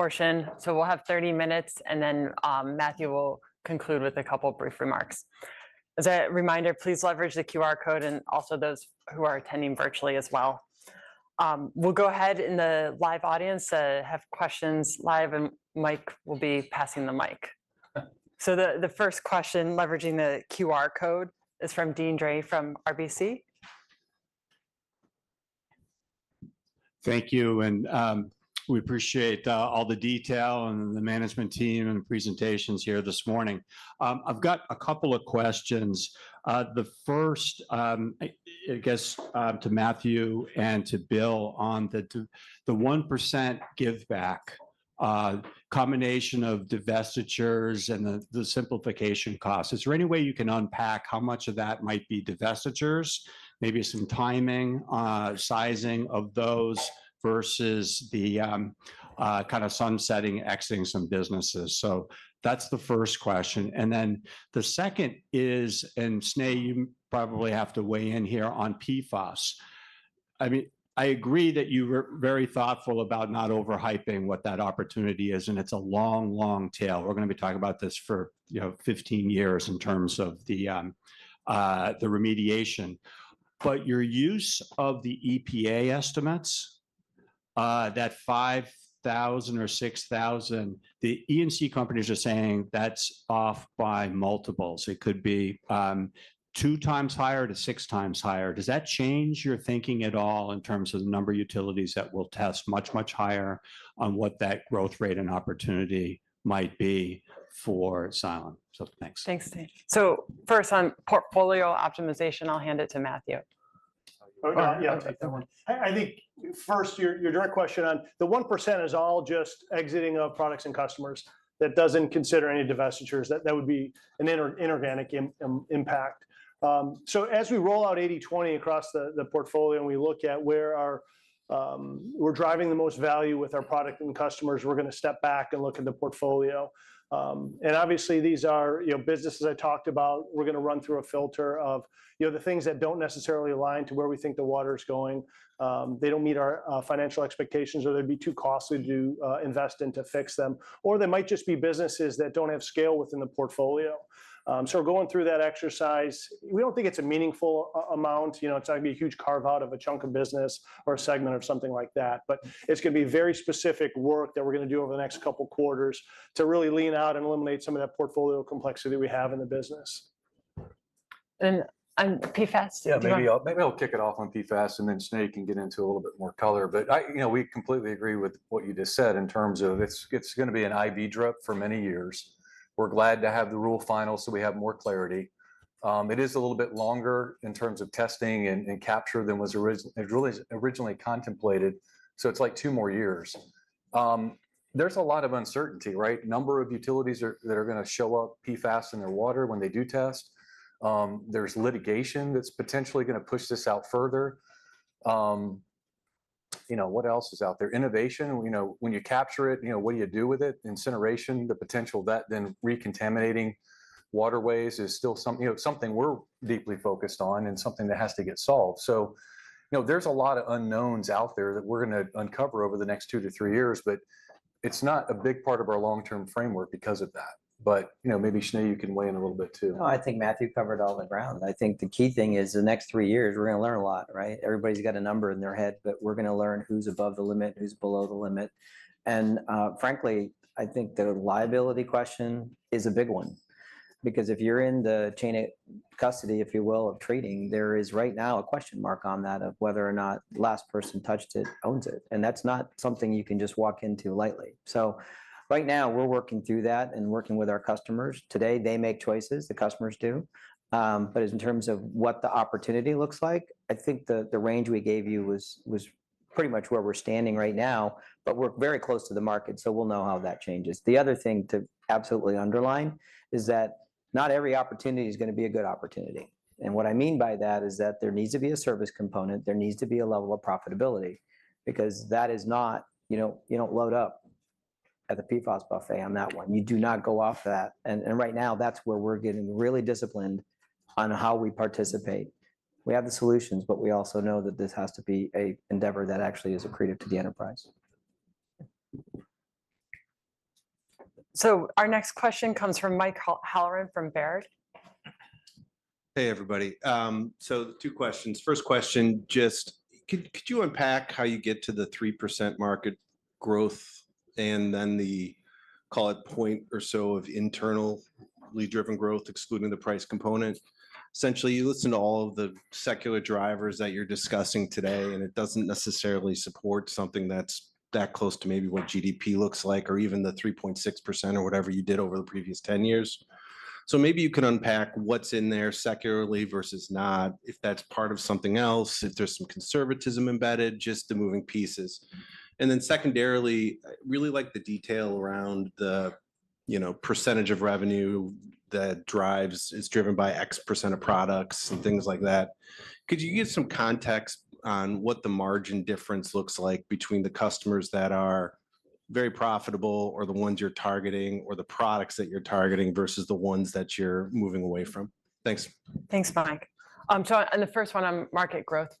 portion. So we'll have 30 minutes, and then Matthew will conclude with a couple brief remarks. As a reminder, please leverage the QR code, and also those who are attending virtually as well. We'll go ahead in the live audience, have questions live, and Mike will be passing the mic. So the first question, leveraging the QR code, is from Deane Dray from RBC. Thank you, and we appreciate all the detail and the management team and the presentations here this morning. I've got a couple of questions. The first, I guess, to Matthew and to Bill on the 1% giveback, combination of divestitures and the simplification costs. Is there any way you can unpack how much of that might be divestitures, maybe some timing, sizing of those, versus the kind of sunsetting, exiting some businesses? So that's the first question, and then the second is, and Sneh, you probably have to weigh in here on PFAS. I mean, I agree that you were very thoughtful about not over-hyping what that opportunity is, and it's a long, long tail. We're gonna be talking about this for, you know, 15 years in terms of the remediation. But your use of the EPA estimates, that 5,000 or 6,000, the E&C companies are saying that's off by multiples. It could be, two times higher to six times higher. Does that change your thinking at all in terms of the number of utilities that will test much, much higher on what that growth rate and opportunity might be for Xylem? So thanks. Thanks, Deane. So first, on portfolio optimization, I'll hand it to Matthew. Okay. Yeah, I'll take that one. I think first, your direct question on the 1% is all just exiting of products and customers. That doesn't consider any divestitures. That would be an inorganic impact. So as we roll out 80/20 across the portfolio, and we look at where we're driving the most value with our product and customers, we're gonna step back and look at the portfolio. And obviously these are, you know, businesses I talked about. We're gonna run through a filter of, you know, the things that don't necessarily align to where we think the water is going. They don't meet our financial expectations, or they'd be too costly to invest in to fix them, or they might just be businesses that don't have scale within the portfolio. So we're going through that exercise. We don't think it's a meaningful amount. You know, it's not gonna be a huge carve-out of a chunk of business or a segment of something like that, but it's gonna be very specific work that we're gonna do over the next couple quarters to really lean out and eliminate some of that portfolio complexity we have in the business.... and on PFAS? Yeah, maybe I'll, maybe I'll kick it off on PFAS, and then Sneh can get into a little bit more color. But I, you know, we completely agree with what you just said in terms of it's, it's gonna be an IV drip for many years. We're glad to have the rule final so we have more clarity. It is a little bit longer in terms of testing and capture than was originally contemplated, so it's like two more years. There's a lot of uncertainty, right? Number of utilities that are gonna show up PFAS in their water when they do test. There's litigation that's potentially gonna push this out further. You know, what else is out there? Innovation, you know, when you capture it, you know, what do you do with it? Incineration, the potential of that then recontaminating waterways is still something, you know, something we're deeply focused on and something that has to get solved. So, you know, there's a lot of unknowns out there that we're gonna uncover over the next 2-3 years, but it's not a big part of our long-term framework because of that. But, you know, maybe Snehal, you can weigh in a little bit, too. No, I think Matthew covered all the ground. I think the key thing is the next three years we're gonna learn a lot, right? Everybody's got a number in their head, but we're gonna learn who's above the limit, who's below the limit. And, frankly, I think the liability question is a big one, because if you're in the chain of custody, if you will, of treating, there is right now a question mark on that of whether or not the last person touched it, owns it, and that's not something you can just walk into lightly. So right now, we're working through that and working with our customers. Today, they make choices, the customers do. But in terms of what the opportunity looks like, I think the range we gave you was pretty much where we're standing right now, but we're very close to the market, so we'll know how that changes. The other thing to absolutely underline is that not every opportunity is gonna be a good opportunity, and what I mean by that is that there needs to be a service component, there needs to be a level of profitability, because that is not, you know, you don't load up at the PFAS buffet on that one. You do not go off that, and right now that's where we're getting really disciplined on how we participate. We have the solutions, but we also know that this has to be an endeavor that actually is accretive to the enterprise. Our next question comes from Mike Halloran from Baird. Hey, everybody. So two questions. First question, just could you unpack how you get to the 3% market growth and then the, call it, 1% or so of internally driven growth, excluding the price component? Essentially, you listen to all of the secular drivers that you're discussing today, and it doesn't necessarily support something that's that close to maybe what GDP looks like or even the 3.6% or whatever you did over the previous ten years. So maybe you can unpack what's in there secularly versus not, if that's part of something else, if there's some conservatism embedded, just the moving pieces. And then secondarily, I really like the detail around the, you know, percentage of revenue that drives... is driven by 80% of products and things like that. Could you give some context on what the margin difference looks like between the customers that are very profitable, or the ones you're targeting, or the products that you're targeting versus the ones that you're moving away from? Thanks. Thanks, Mike. So on the first one, on market growth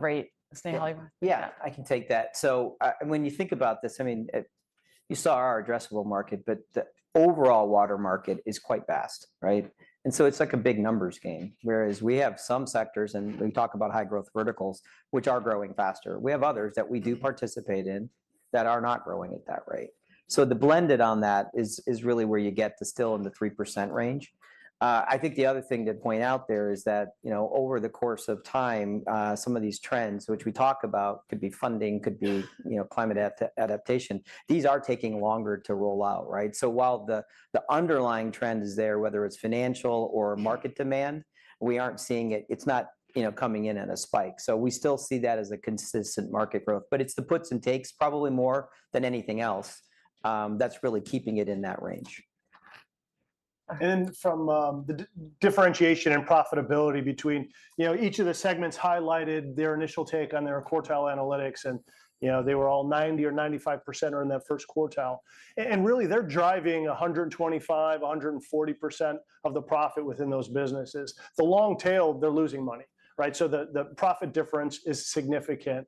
rate, Snehal, you want- Yeah, I can take that. So, and when you think about this, I mean, you saw our addressable market, but the overall water market is quite vast, right? And so it's like a big numbers game, whereas we have some sectors, and we talk about high growth verticals, which are growing faster. We have others that we do participate in that are not growing at that rate. So the blended on that is really where you get to still in the 3% range. I think the other thing to point out there is that, you know, over the course of time, some of these trends, which we talk about, could be funding, could be, you know, climate adaptation, these are taking longer to roll out, right? So while the underlying trend is there, whether it's financial or market demand, we aren't seeing it. It's not, you know, coming in at a spike. So we still see that as a consistent market growth, but it's the puts and takes probably more than anything else, that's really keeping it in that range. From the differentiation and profitability between, you know, each of the segments highlighted their initial take on their quartile analytics, and, you know, they were all 90% or 95% are in that first quartile. And really, they're driving 125%-140% of the profit within those businesses. The long tail, they're losing money, right? So the profit difference is significant.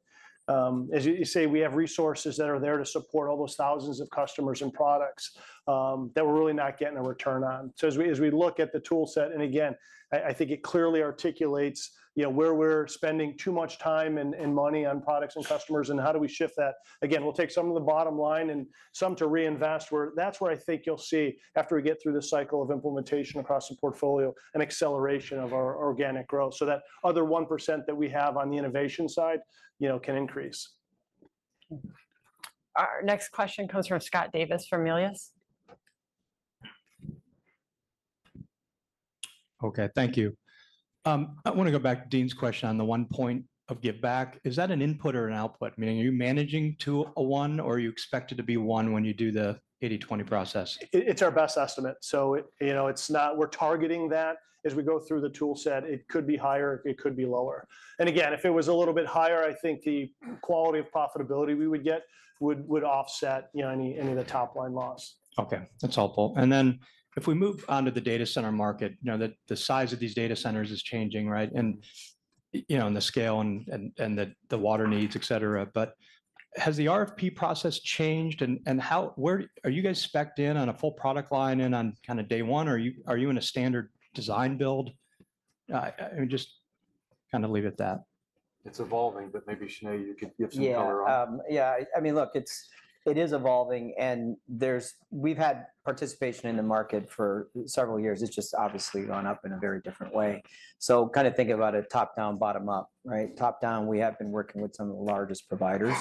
As you say, we have resources that are there to support all those thousands of customers and products that we're really not getting a return on. So as we look at the tool set, and again, I think it clearly articulates, you know, where we're spending too much time and money on products and customers and how do we shift that. Again, we'll take some of the bottom line and some to reinvest, where that's where I think you'll see, after we get through this cycle of implementation across the portfolio, an acceleration of our organic growth. So that other 1% that we have on the innovation side, you know, can increase. Our next question comes from Scott Davis, from Melius. Okay, thank you. I want to go back to Deane's question on the one point of giveback. Is that an input or an output? Meaning, are you managing to a one, or you expect it to be one when you do the 80/20 process? It's our best estimate, so it, you know, it's not... We're targeting that. As we go through the tool set, it could be higher, it could be lower. And again, if it was a little bit higher, I think the quality of profitability we would get would offset, you know, any of the top-line loss. Okay, that's helpful. Then if we move on to the data center market, you know, the size of these data centers is changing, right? And you know, and the scale and the water needs, et cetera. But has the RFP process changed, and how... where... Are you guys spec'd in on a full product line and on kinda day one, or are you in a standard design-build? I mean, just-... kind of leave it at that. It's evolving, but maybe, Snehal, you could give some color on it. Yeah. Yeah, I, I mean, look, it's, it is evolving, and there's—we've had participation in the market for several years. It's just obviously gone up in a very different way. So kind of think about it top-down, bottom-up, right? Top-down, we have been working with some of the largest providers,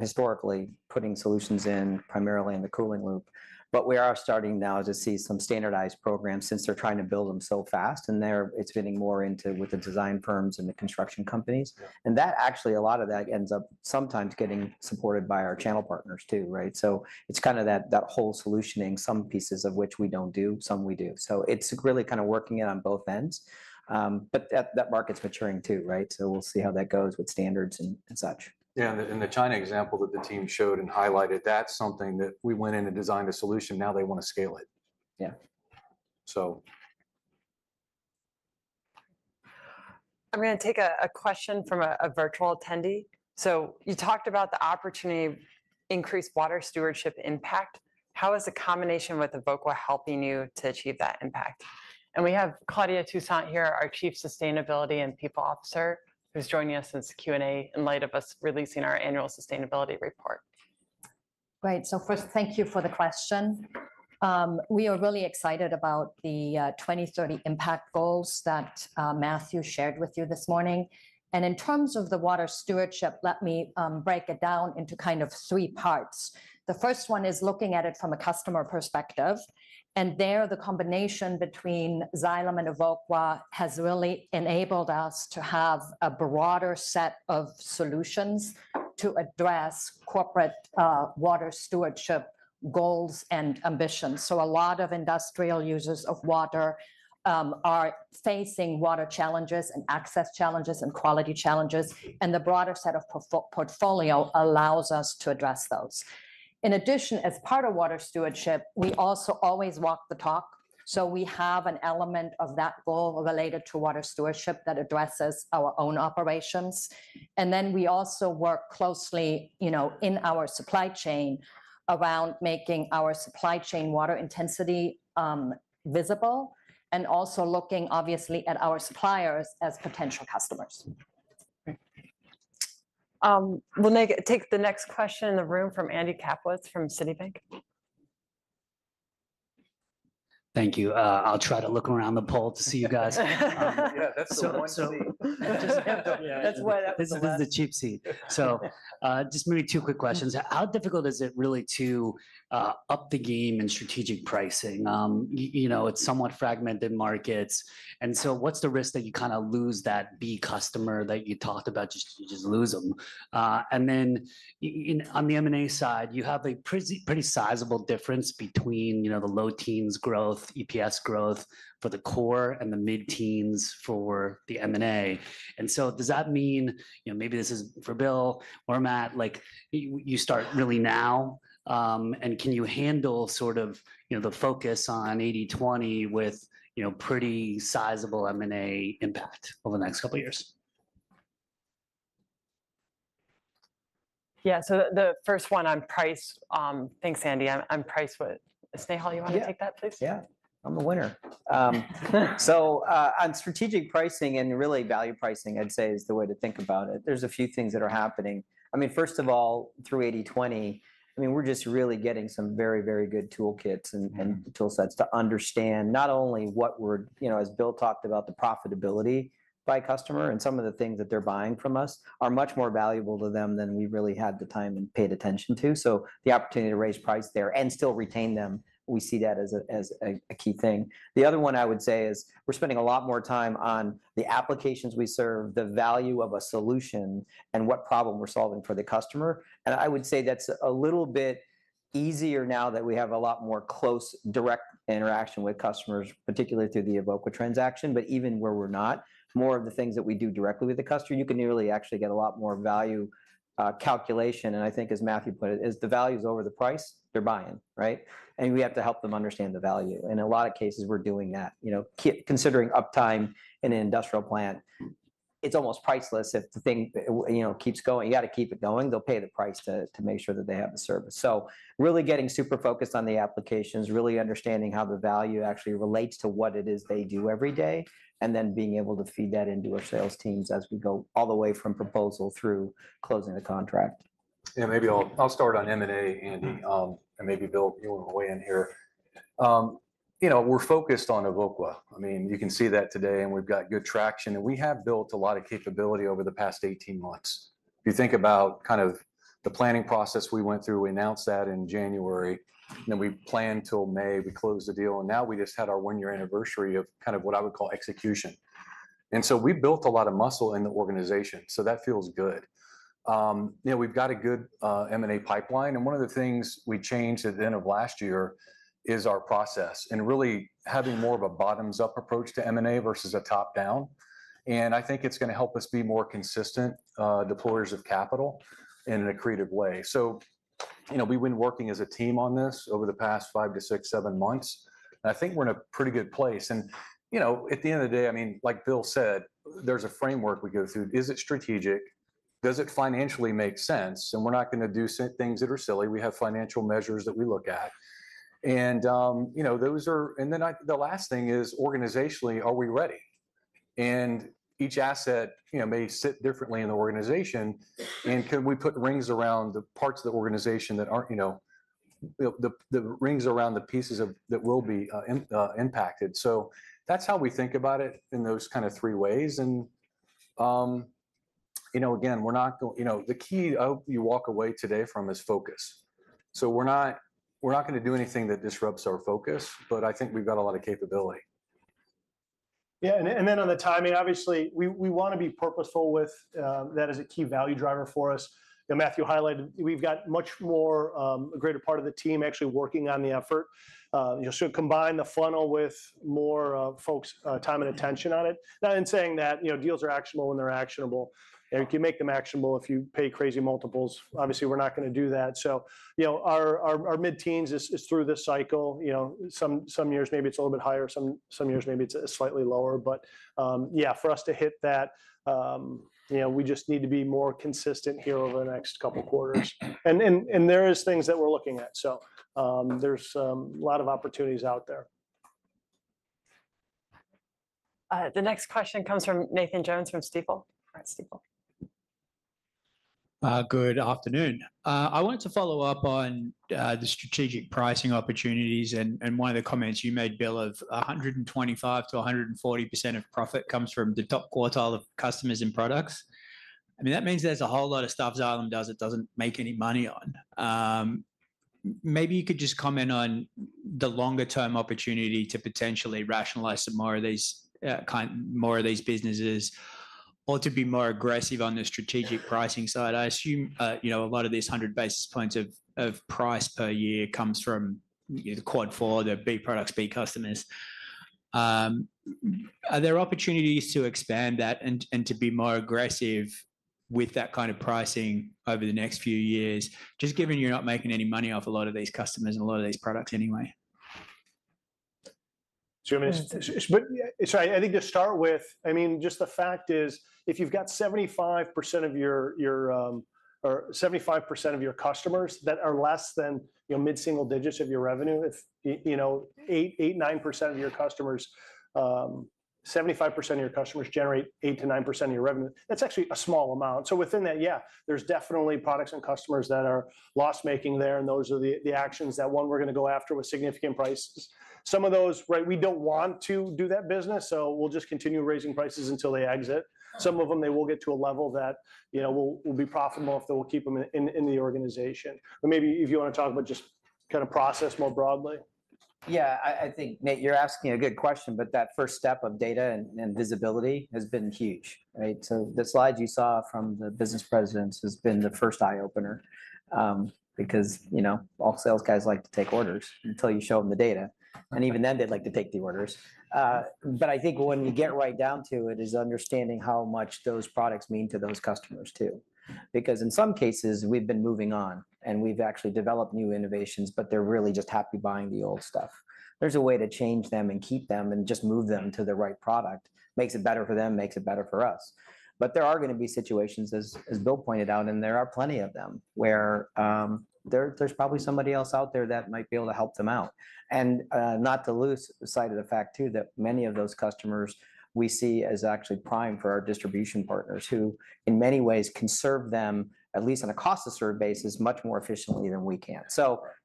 historically, putting solutions in primarily in the cooling loop. But we are starting now to see some standardized programs since they're trying to build them so fast, and they're, it's getting more into with the design firms and the construction companies. And that actually, a lot of that ends up sometimes getting supported by our channel partners, too, right? So it's kind of that, that whole solutioning, some pieces of which we don't do, some we do. So it's really kind of working it on both ends. But that, that market's maturing, too, right? We'll see how that goes with standards and such. Yeah, and the China example that the team showed and highlighted, that's something that we went in and designed a solution. Now they want to scale it. Yeah. So... I'm gonna take a question from a virtual attendee. So you talked about the opportunity, increased water stewardship impact. How is the combination with Evoqua helping you to achieve that impact? And we have Claudia Toussaint here, our Chief People and Sustainability Officer, who's joining us in this Q&A in light of us releasing our annual sustainability report. Great. So first, thank you for the question. We are really excited about the 2030 impact goals that Matthew shared with you this morning. And in terms of the water stewardship, let me break it down into kind of three parts. The first one is looking at it from a customer perspective, and there, the combination between Xylem and Evoqua has really enabled us to have a broader set of solutions to address corporate water stewardship goals and ambitions. So a lot of industrial users of water are facing water challenges, and access challenges, and quality challenges, and the broader set of portfolio allows us to address those. In addition, as part of water stewardship, we also always walk the talk, so we have an element of that goal related to water stewardship that addresses our own operations. Then we also work closely, you know, in our supply chain around making our supply chain water intensity visible, and also looking obviously at our suppliers as potential customers. We'll take the next question in the room from Andy Kaplowitz from Citi. Thank you. I'll try to look around the hall to see you guys. Yeah, that's the one to see. That's why- This is the cheap seat. So, just maybe two quick questions. How difficult is it really to up the game in strategic pricing? You know, it's somewhat fragmented markets, and so what's the risk that you kind of lose that B customer that you talked about, just, you just lose them? And then in, on the M&A side, you have a pretty sizable difference between, you know, the low teens growth, EPS growth for the core and the mid-teens for the M&A. And so does that mean, you know, maybe this is for Bill or Matt, like, you start really now, and can you handle sort of, you know, the focus on 80/20 with, you know, pretty sizable M&A impact over the next couple of years? Yeah, so the first one on price, thanks, Andy. On price, what, Snehal, you want to take that, please? Yeah. Yeah, I'm the winner. So, on strategic pricing and really value pricing, I'd say is the way to think about it, there's a few things that are happening. I mean, first of all, through 80/20, I mean, we're just really getting some very, very good toolkits and, and tool sets to understand not only what we're, you know, as Bill talked about, the profitability by customer and some of the things that they're buying from us are much more valuable to them than we really had the time and paid attention to. So the opportunity to raise price there and still retain them, we see that as a, as a, a key thing. The other one I would say is we're spending a lot more time on the applications we serve, the value of a solution, and what problem we're solving for the customer. And I would say that's a little bit easier now that we have a lot more close, direct interaction with customers, particularly through the Evoqua transaction. But even where we're not, more of the things that we do directly with the customer, you can nearly actually get a lot more value, calculation. And I think as Matthew put it, as the value is over the price, they're buying, right? And we have to help them understand the value. In a lot of cases, we're doing that. You know, considering uptime in an industrial plant, it's almost priceless if the thing, you know, keeps going. You gotta keep it going, they'll pay the price to make sure that they have the service. So really getting super focused on the applications, really understanding how the value actually relates to what it is they do every day, and then being able to feed that into our sales teams as we go all the way from proposal through closing the contract. Yeah, maybe I'll start on M&A, Andy, and maybe, Bill, you want to weigh in here. You know, we're focused on Evoqua. I mean, you can see that today, and we've got good traction, and we have built a lot of capability over the past 18 months. If you think about kind of the planning process we went through, we announced that in January, then we planned till May, we closed the deal, and now we just had our 1-year anniversary of kind of what I would call execution. And so we built a lot of muscle in the organization, so that feels good. You know, we've got a good M&A pipeline, and one of the things we changed at the end of last year is our process, and really having more of a bottoms-up approach to M&A versus a top-down. I think it's gonna help us be more consistent deployers of capital in an accretive way. So, you know, we've been working as a team on this over the past 5-7 months, and I think we're in a pretty good place. You know, at the end of the day, I mean, like Bill said, there's a framework we go through. Is it strategic? Does it financially make sense? And we're not gonna do things that are silly. We have financial measures that we look at. And, you know, those are. And then, the last thing is organizationally, are we ready? And each asset, you know, may sit differently in the organization, and can we put rings around the parts of the organization that aren't, you know, the rings around the pieces of that will be impacted. So that's how we think about it in those kind of three ways. And, you know, again, we're not, you know, the key I hope you walk away today from is focus. So we're not, we're not gonna do anything that disrupts our focus, but I think we've got a lot of capability. Yeah, and then, and then on the timing, obviously, we wanna be purposeful with that as a key value driver for us. You know, Matthew highlighted, we've got much more a greater part of the team actually working on the effort. You should combine the funnel with more folks' time and attention on it. Not in saying that, you know, deals are actionable when they're actionable, and you can make them actionable if you pay crazy multiples. Obviously, we're not gonna do that. So, you know, our mid-teens is through this cycle. You know, some years maybe it's a little bit higher, some years maybe it's slightly lower. But, yeah, for us to hit that, you know, we just need to be more consistent here over the next couple quarters. There is things that we're looking at. So, there's a lot of opportunities out there. The next question comes from Nathan Jones, from Stifel. Good afternoon. I wanted to follow up on the strategic pricing opportunities and one of the comments you made, Bill, of 125%-140% of profit comes from the top quartile of customers and products. I mean, that means there's a whole lot of stuff Xylem does, it doesn't make any money on. Maybe you could just comment on the longer-term opportunity to potentially rationalize some more of these kind, more of these businesses, or to be more aggressive on the strategic pricing side. I assume, you know, a lot of these 100 basis points of price per year comes from, you know, the Quad 4, the B products, B customers. Are there opportunities to expand that and to be more aggressive with that kind of pricing over the next few years, just given you're not making any money off a lot of these customers and a lot of these products anyway? So I mean, but, so I think to start with, I mean, just the fact is, if you've got 75% of your, your, or 75% of your customers that are less than, you know, mid-single digits of your revenue, if you know, 8%-9% of your customers, 75% of your customers generate 8%-9% of your revenue, that's actually a small amount. So within that, yeah, there's definitely products and customers that are loss-making there, and those are the actions that, one, we're gonna go after with significant prices. Some of those, right, we don't want to do that business, so we'll just continue raising prices until they exit. Some of them, they will get to a level that, you know, will be profitable if they will keep them in the organization. Maybe if you wanna talk about just kind of process more broadly. Yeah, I, I think, Nate, you're asking a good question, but that first step of data and, and visibility has been huge, right? So the slide you saw from the business presidents has been the first eye-opener. Because, you know, all sales guys like to take orders until you show them the data, and even then they'd like to take the orders. But I think when you get right down to it, is understanding how much those products mean to those customers, too. Because in some cases we've been moving on, and we've actually developed new innovations, but they're really just happy buying the old stuff. There's a way to change them and keep them and just move them to the right product. Makes it better for them, makes it better for us. There are gonna be situations, as Bill pointed out, and there are plenty of them, where there's probably somebody else out there that might be able to help them out. Not to lose sight of the fact, too, that many of those customers we see as actually prime for our distribution partners, who in many ways can serve them, at least on a cost to serve basis, much more efficiently than we can.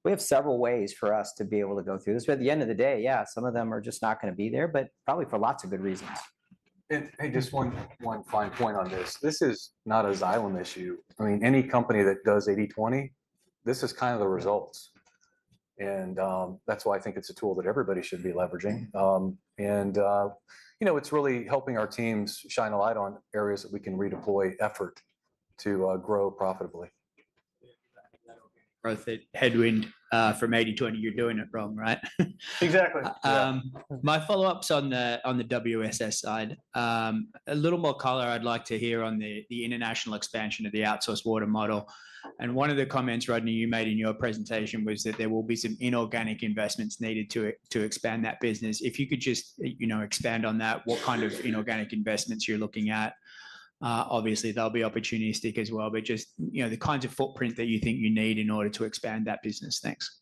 We have several ways for us to be able to go through this. At the end of the day, yeah, some of them are just not gonna be there, but probably for lots of good reasons. Hey, just one fine point on this. This is not a Xylem issue. I mean, any company that does 80/20, this is kind of the results. That's why I think it's a tool that everybody should be leveraging. You know, it's really helping our teams shine a light on areas that we can redeploy effort to grow profitably. Right, the headwind from 80/20, you're doing it wrong, right? Exactly. Yeah. My follow-up's on the WSS side. A little more color I'd like to hear on the international expansion of the outsourced water model. And one of the comments, Rodney, you made in your presentation was that there will be some inorganic investments needed to expand that business. If you could just, you know, expand on that, what kind of inorganic investments you're looking at? Obviously, they'll be opportunistic as well, but just, you know, the kinds of footprint that you think you need in order to expand that business. Thanks.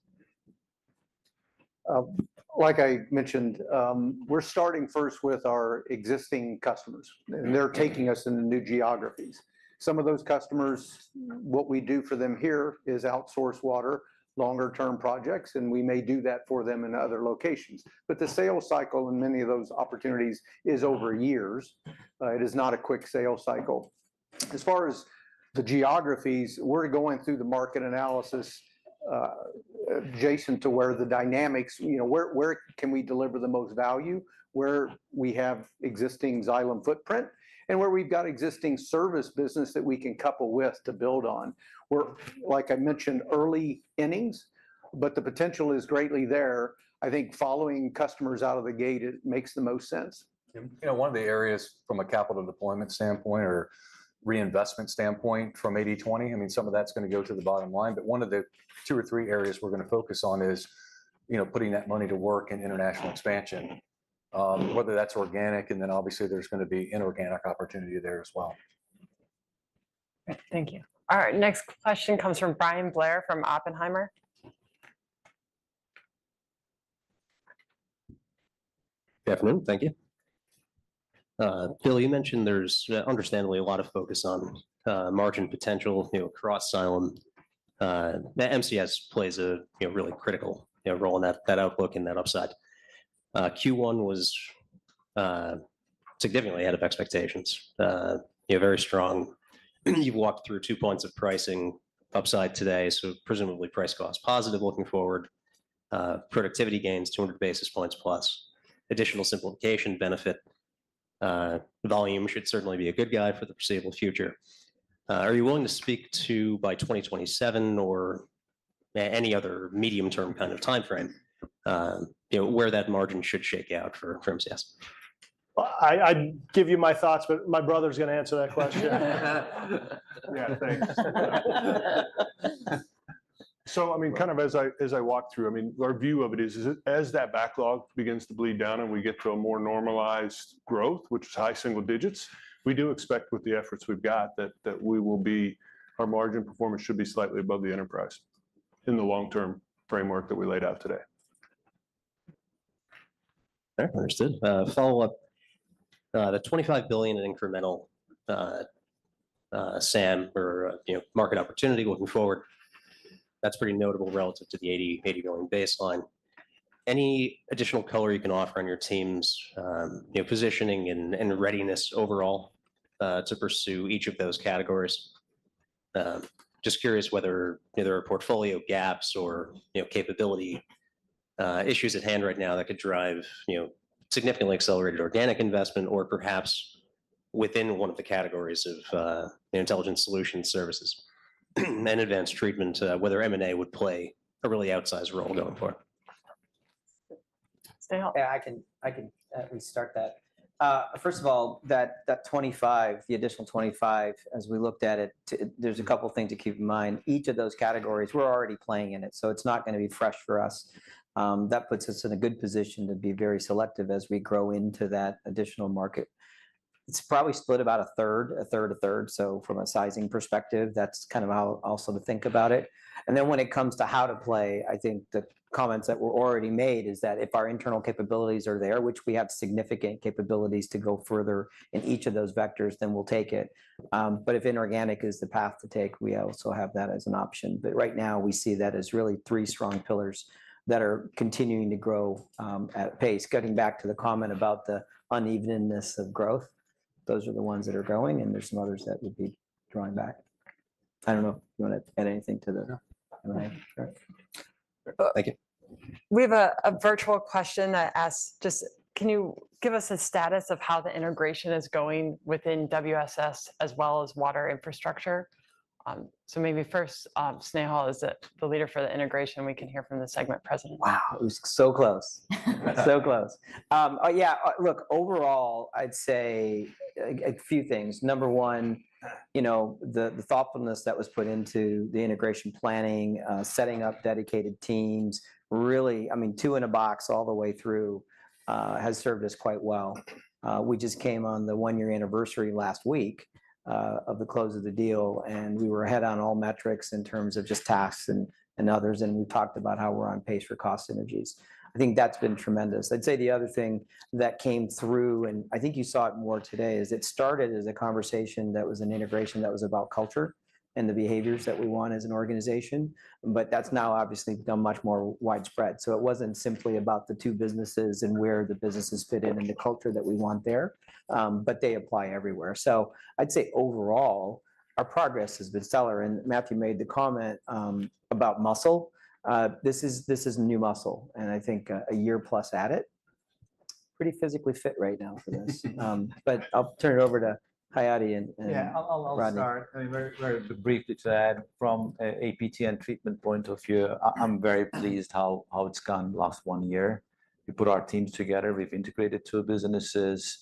Like I mentioned, we're starting first with our existing customers- Mm-hmm. And they're taking us into new geographies. Some of those customers, what we do for them here is outsource water, longer-term projects, and we may do that for them in other locations. But the sales cycle in many of those opportunities is over years. It is not a quick sales cycle. As far as the geographies, we're going through the market analysis adjacent to where the dynamics... You know, where can we deliver the most value? Where we have existing Xylem footprint, and where we've got existing service business that we can couple with to build on. We're, like I mentioned, early innings, but the potential is greatly there. I think following customers out of the gate, it makes the most sense. You know, one of the areas from a capital deployment standpoint or reinvestment standpoint from 80/20, I mean, some of that's gonna go to the bottom line, but one of the two or three areas we're gonna focus on is, you know, putting that money to work in international expansion. ... whether that's organic, and then obviously there's gonna be inorganic opportunity there as well. Great, thank you. All right, next question comes from Bryan Blair from Oppenheimer. Good afternoon, thank you. Bill, you mentioned there's understandably a lot of focus on margin potential, you know, across Xylem. That M&CS plays a, you know, really critical, you know, role in that, that outlook and that upside. Q1 was significantly ahead of expectations. You know, very strong. You've walked through two points of pricing upside today, so presumably price-cost positive looking forward. Productivity gains, 200 basis points+. Additional simplification benefit, volume should certainly be a good guide for the foreseeable future. Are you willing to speak to, by 2027 or any other medium-term kind of timeframe, you know, where that margin should shake out for, for M&CS? Well, I'd give you my thoughts, but my brother's gonna answer that question. Yeah, thanks. So I mean, kind of as I walk through, I mean, our view of it is as that backlog begins to bleed down and we get to a more normalized growth, which is high single digits, we do expect with the efforts we've got that we will be—our margin performance should be slightly above the enterprise in the long-term framework that we laid out today. Okay, understood. Follow-up, the $25 billion in incremental SAM or, you know, market opportunity looking forward, that's pretty notable relative to the $80 billion baseline. Any additional color you can offer on your team's, you know, positioning and readiness overall to pursue each of those categories? Just curious whether there are portfolio gaps or, you know, capability issues at hand right now that could drive, you know, significantly accelerated organic investment, or perhaps within one of the categories of the intelligence solution services. And then advanced treatment, whether M&A would play a really outsized role going forward? Snehal? Yeah, I can, I can at least start that. First of all, that 25, the additional 25, as we looked at it, there's a couple of things to keep in mind. Each of those categories, we're already playing in it, so it's not gonna be fresh for us. That puts us in a good position to be very selective as we grow into that additional market. It's probably split about a third, a third, a third, so from a sizing perspective, that's kind of how also to think about it. And then when it comes to how to play, I think the comments that were already made is that if our internal capabilities are there, which we have significant capabilities to go further in each of those vectors, then we'll take it. But if inorganic is the path to take, we also have that as an option. But right now, we see that as really three strong pillars that are continuing to grow, at pace. Getting back to the comment about the unevenness of growth, those are the ones that are growing, and there's some others that would be drawing back. I don't know if you want to add anything to that? No. All right, great. Thank you. We have a virtual question that asks, just, "Can you give us a status of how the integration is going within WSS, as well as Water Infrastructure?" So maybe first, Snehal, as the leader for the integration, we can hear from the segment president. Wow, it was so close. So close. Yeah, look, overall, I'd say a few things. Number one, you know, the thoughtfulness that was put into the integration planning, setting up dedicated teams, really, I mean, two in a box all the way through, has served us quite well. We just came on the 1-year anniversary last week of the close of the deal, and we were ahead on all metrics in terms of just tasks and others, and we talked about how we're on pace for cost synergies. I think that's been tremendous. I'd say the other thing that came through, and I think you saw it more today, is it started as a conversation that was an integration that was about culture and the behaviors that we want as an organization, but that's now obviously become much more widespread. So it wasn't simply about the two businesses and where the businesses fit in and the culture that we want there, but they apply everywhere. So I'd say overall, our progress has been stellar, and Matthew made the comment about muscle. This is, this is new muscle, and I think a year plus at it, pretty physically fit right now for this. But I'll turn it over to Hayati and, and- Yeah, I'll start. I mean, very, very briefly to add from an APT and treatment point of view, I'm very pleased how it's gone the last one year. We put our teams together, we've integrated two businesses,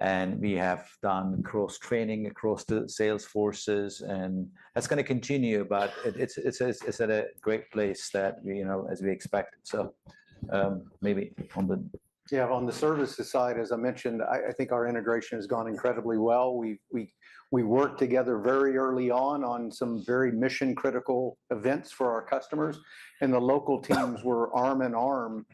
and we have done cross-training across the sales forces, and that's gonna continue, but it's at a great place that, you know, as we expected. So, maybe on the... Yeah, on the services side, as I mentioned, I think our integration has gone incredibly well. We've worked together very early on some very mission-critical events for our customers, and the local teams were arm in arm,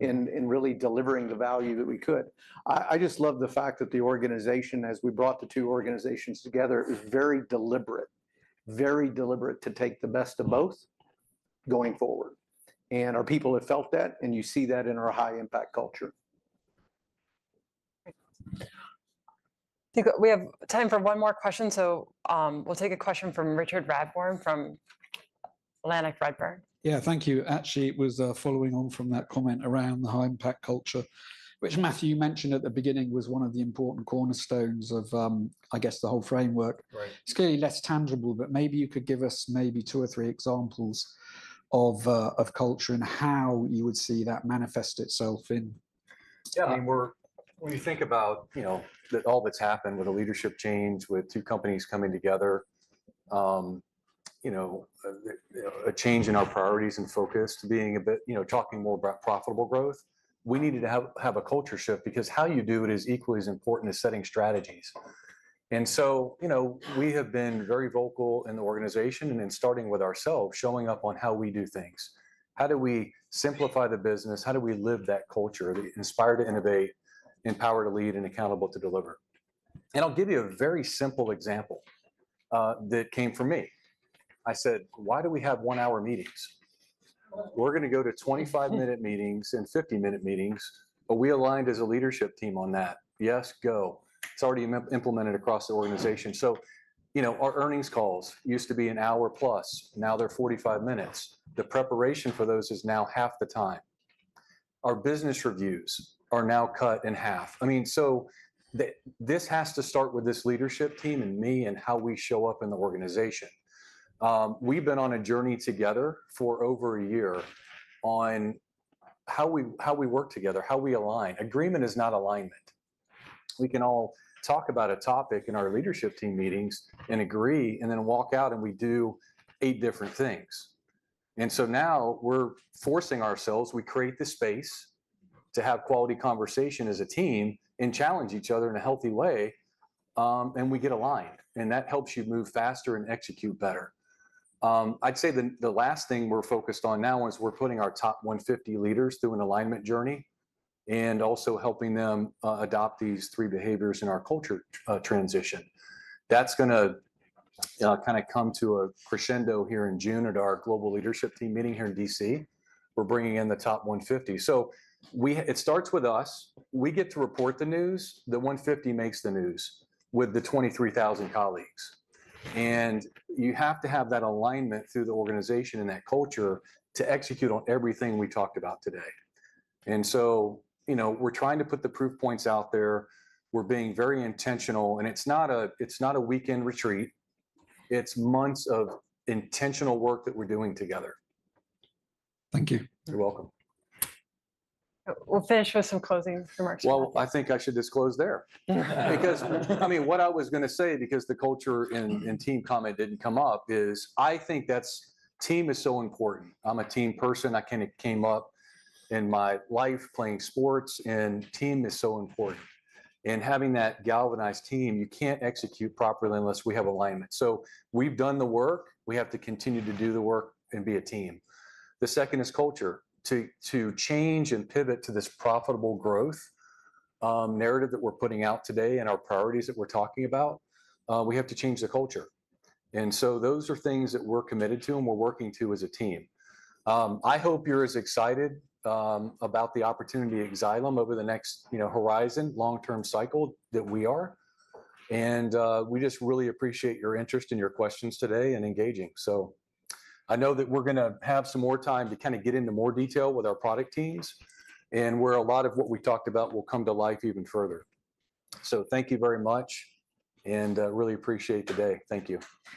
in really delivering the value that we could. I just love the fact that the organization, as we brought the two organizations together, is very deliberate. Very deliberate to take the best of both going forward. And our people have felt that, and you see that in our High-Impact Culture. I think we have time for one more question, so, we'll take a question from Richard Radbourne from Redburn Atlantic. Yeah, thank you. Actually, it was following on from that comment around the High-Impact Culture, which, Matthew, you mentioned at the beginning, was one of the important cornerstones of, I guess, the whole framework. Right. It's clearly less tangible, but maybe you could give us maybe two or three examples of culture and how you would see that manifest itself in- Yeah, I mean, we're... When you think about, you know, the- all that's happened with a leadership change, with two companies coming together-... you know, a change in our priorities and focus to being a bit, you know, talking more about profitable growth, we needed to have a culture shift, because how you do it is equally as important as setting strategies. And so, you know, we have been very vocal in the organization and in starting with ourselves, showing up on how we do things. How do we simplify the business? How do we live that culture of inspired to innovate, empowered to lead, and accountable to deliver? And I'll give you a very simple example that came from me. I said, "Why do we have 1-hour meetings? We're gonna go to 25-minute meetings and 50-minute meetings." Are we aligned as a leadership team on that? Yes, go. It's already implemented across the organization. So, you know, our earnings calls used to be an hour plus, now they're 45 minutes. The preparation for those is now half the time. Our business reviews are now cut in half. I mean, so this has to start with this leadership team and me, and how we show up in the organization. We've been on a journey together for over a year on how we, how we work together, how we align. Agreement is not alignment. We can all talk about a topic in our leadership team meetings and agree, and then walk out and we do 8 different things. And so now we're forcing ourselves, we create the space to have quality conversation as a team and challenge each other in a healthy way, and we get aligned, and that helps you move faster and execute better. I'd say the last thing we're focused on now is we're putting our top 150 leaders through an alignment journey, and also helping them adopt these three behaviors in our culture transition. That's gonna kind of come to a crescendo here in June at our global leadership team meeting here in D.C. We're bringing in the top 150. So it starts with us. We get to report the news, the 150 makes the news with the 23,000 colleagues. And you have to have that alignment through the organization and that culture to execute on everything we talked about today. And so, you know, we're trying to put the proof points out there. We're being very intentional, and it's not a weekend retreat, it's months of intentional work that we're doing together. Thank you. You're welcome. We'll finish with some closing remarks. Well, I think I should disclose there. Because, I mean, what I was gonna say, because the culture and team comment didn't come up, is I think that's. Team is so important. I'm a team person. I kind of came up in my life playing sports, and team is so important. And having that galvanized team, you can't execute properly unless we have alignment. So we've done the work. We have to continue to do the work and be a team. The second is culture. To change and pivot to this profitable growth narrative that we're putting out today and our priorities that we're talking about, we have to change the culture. And so those are things that we're committed to and we're working to as a team. I hope you're as excited about the opportunity at Xylem over the next, you know, horizon, long-term cycle, that we are. We just really appreciate your interest and your questions today, and engaging. I know that we're gonna have some more time to kind of get into more detail with our product teams, and where a lot of what we talked about will come to life even further. Thank you very much, and really appreciate today. Thank you.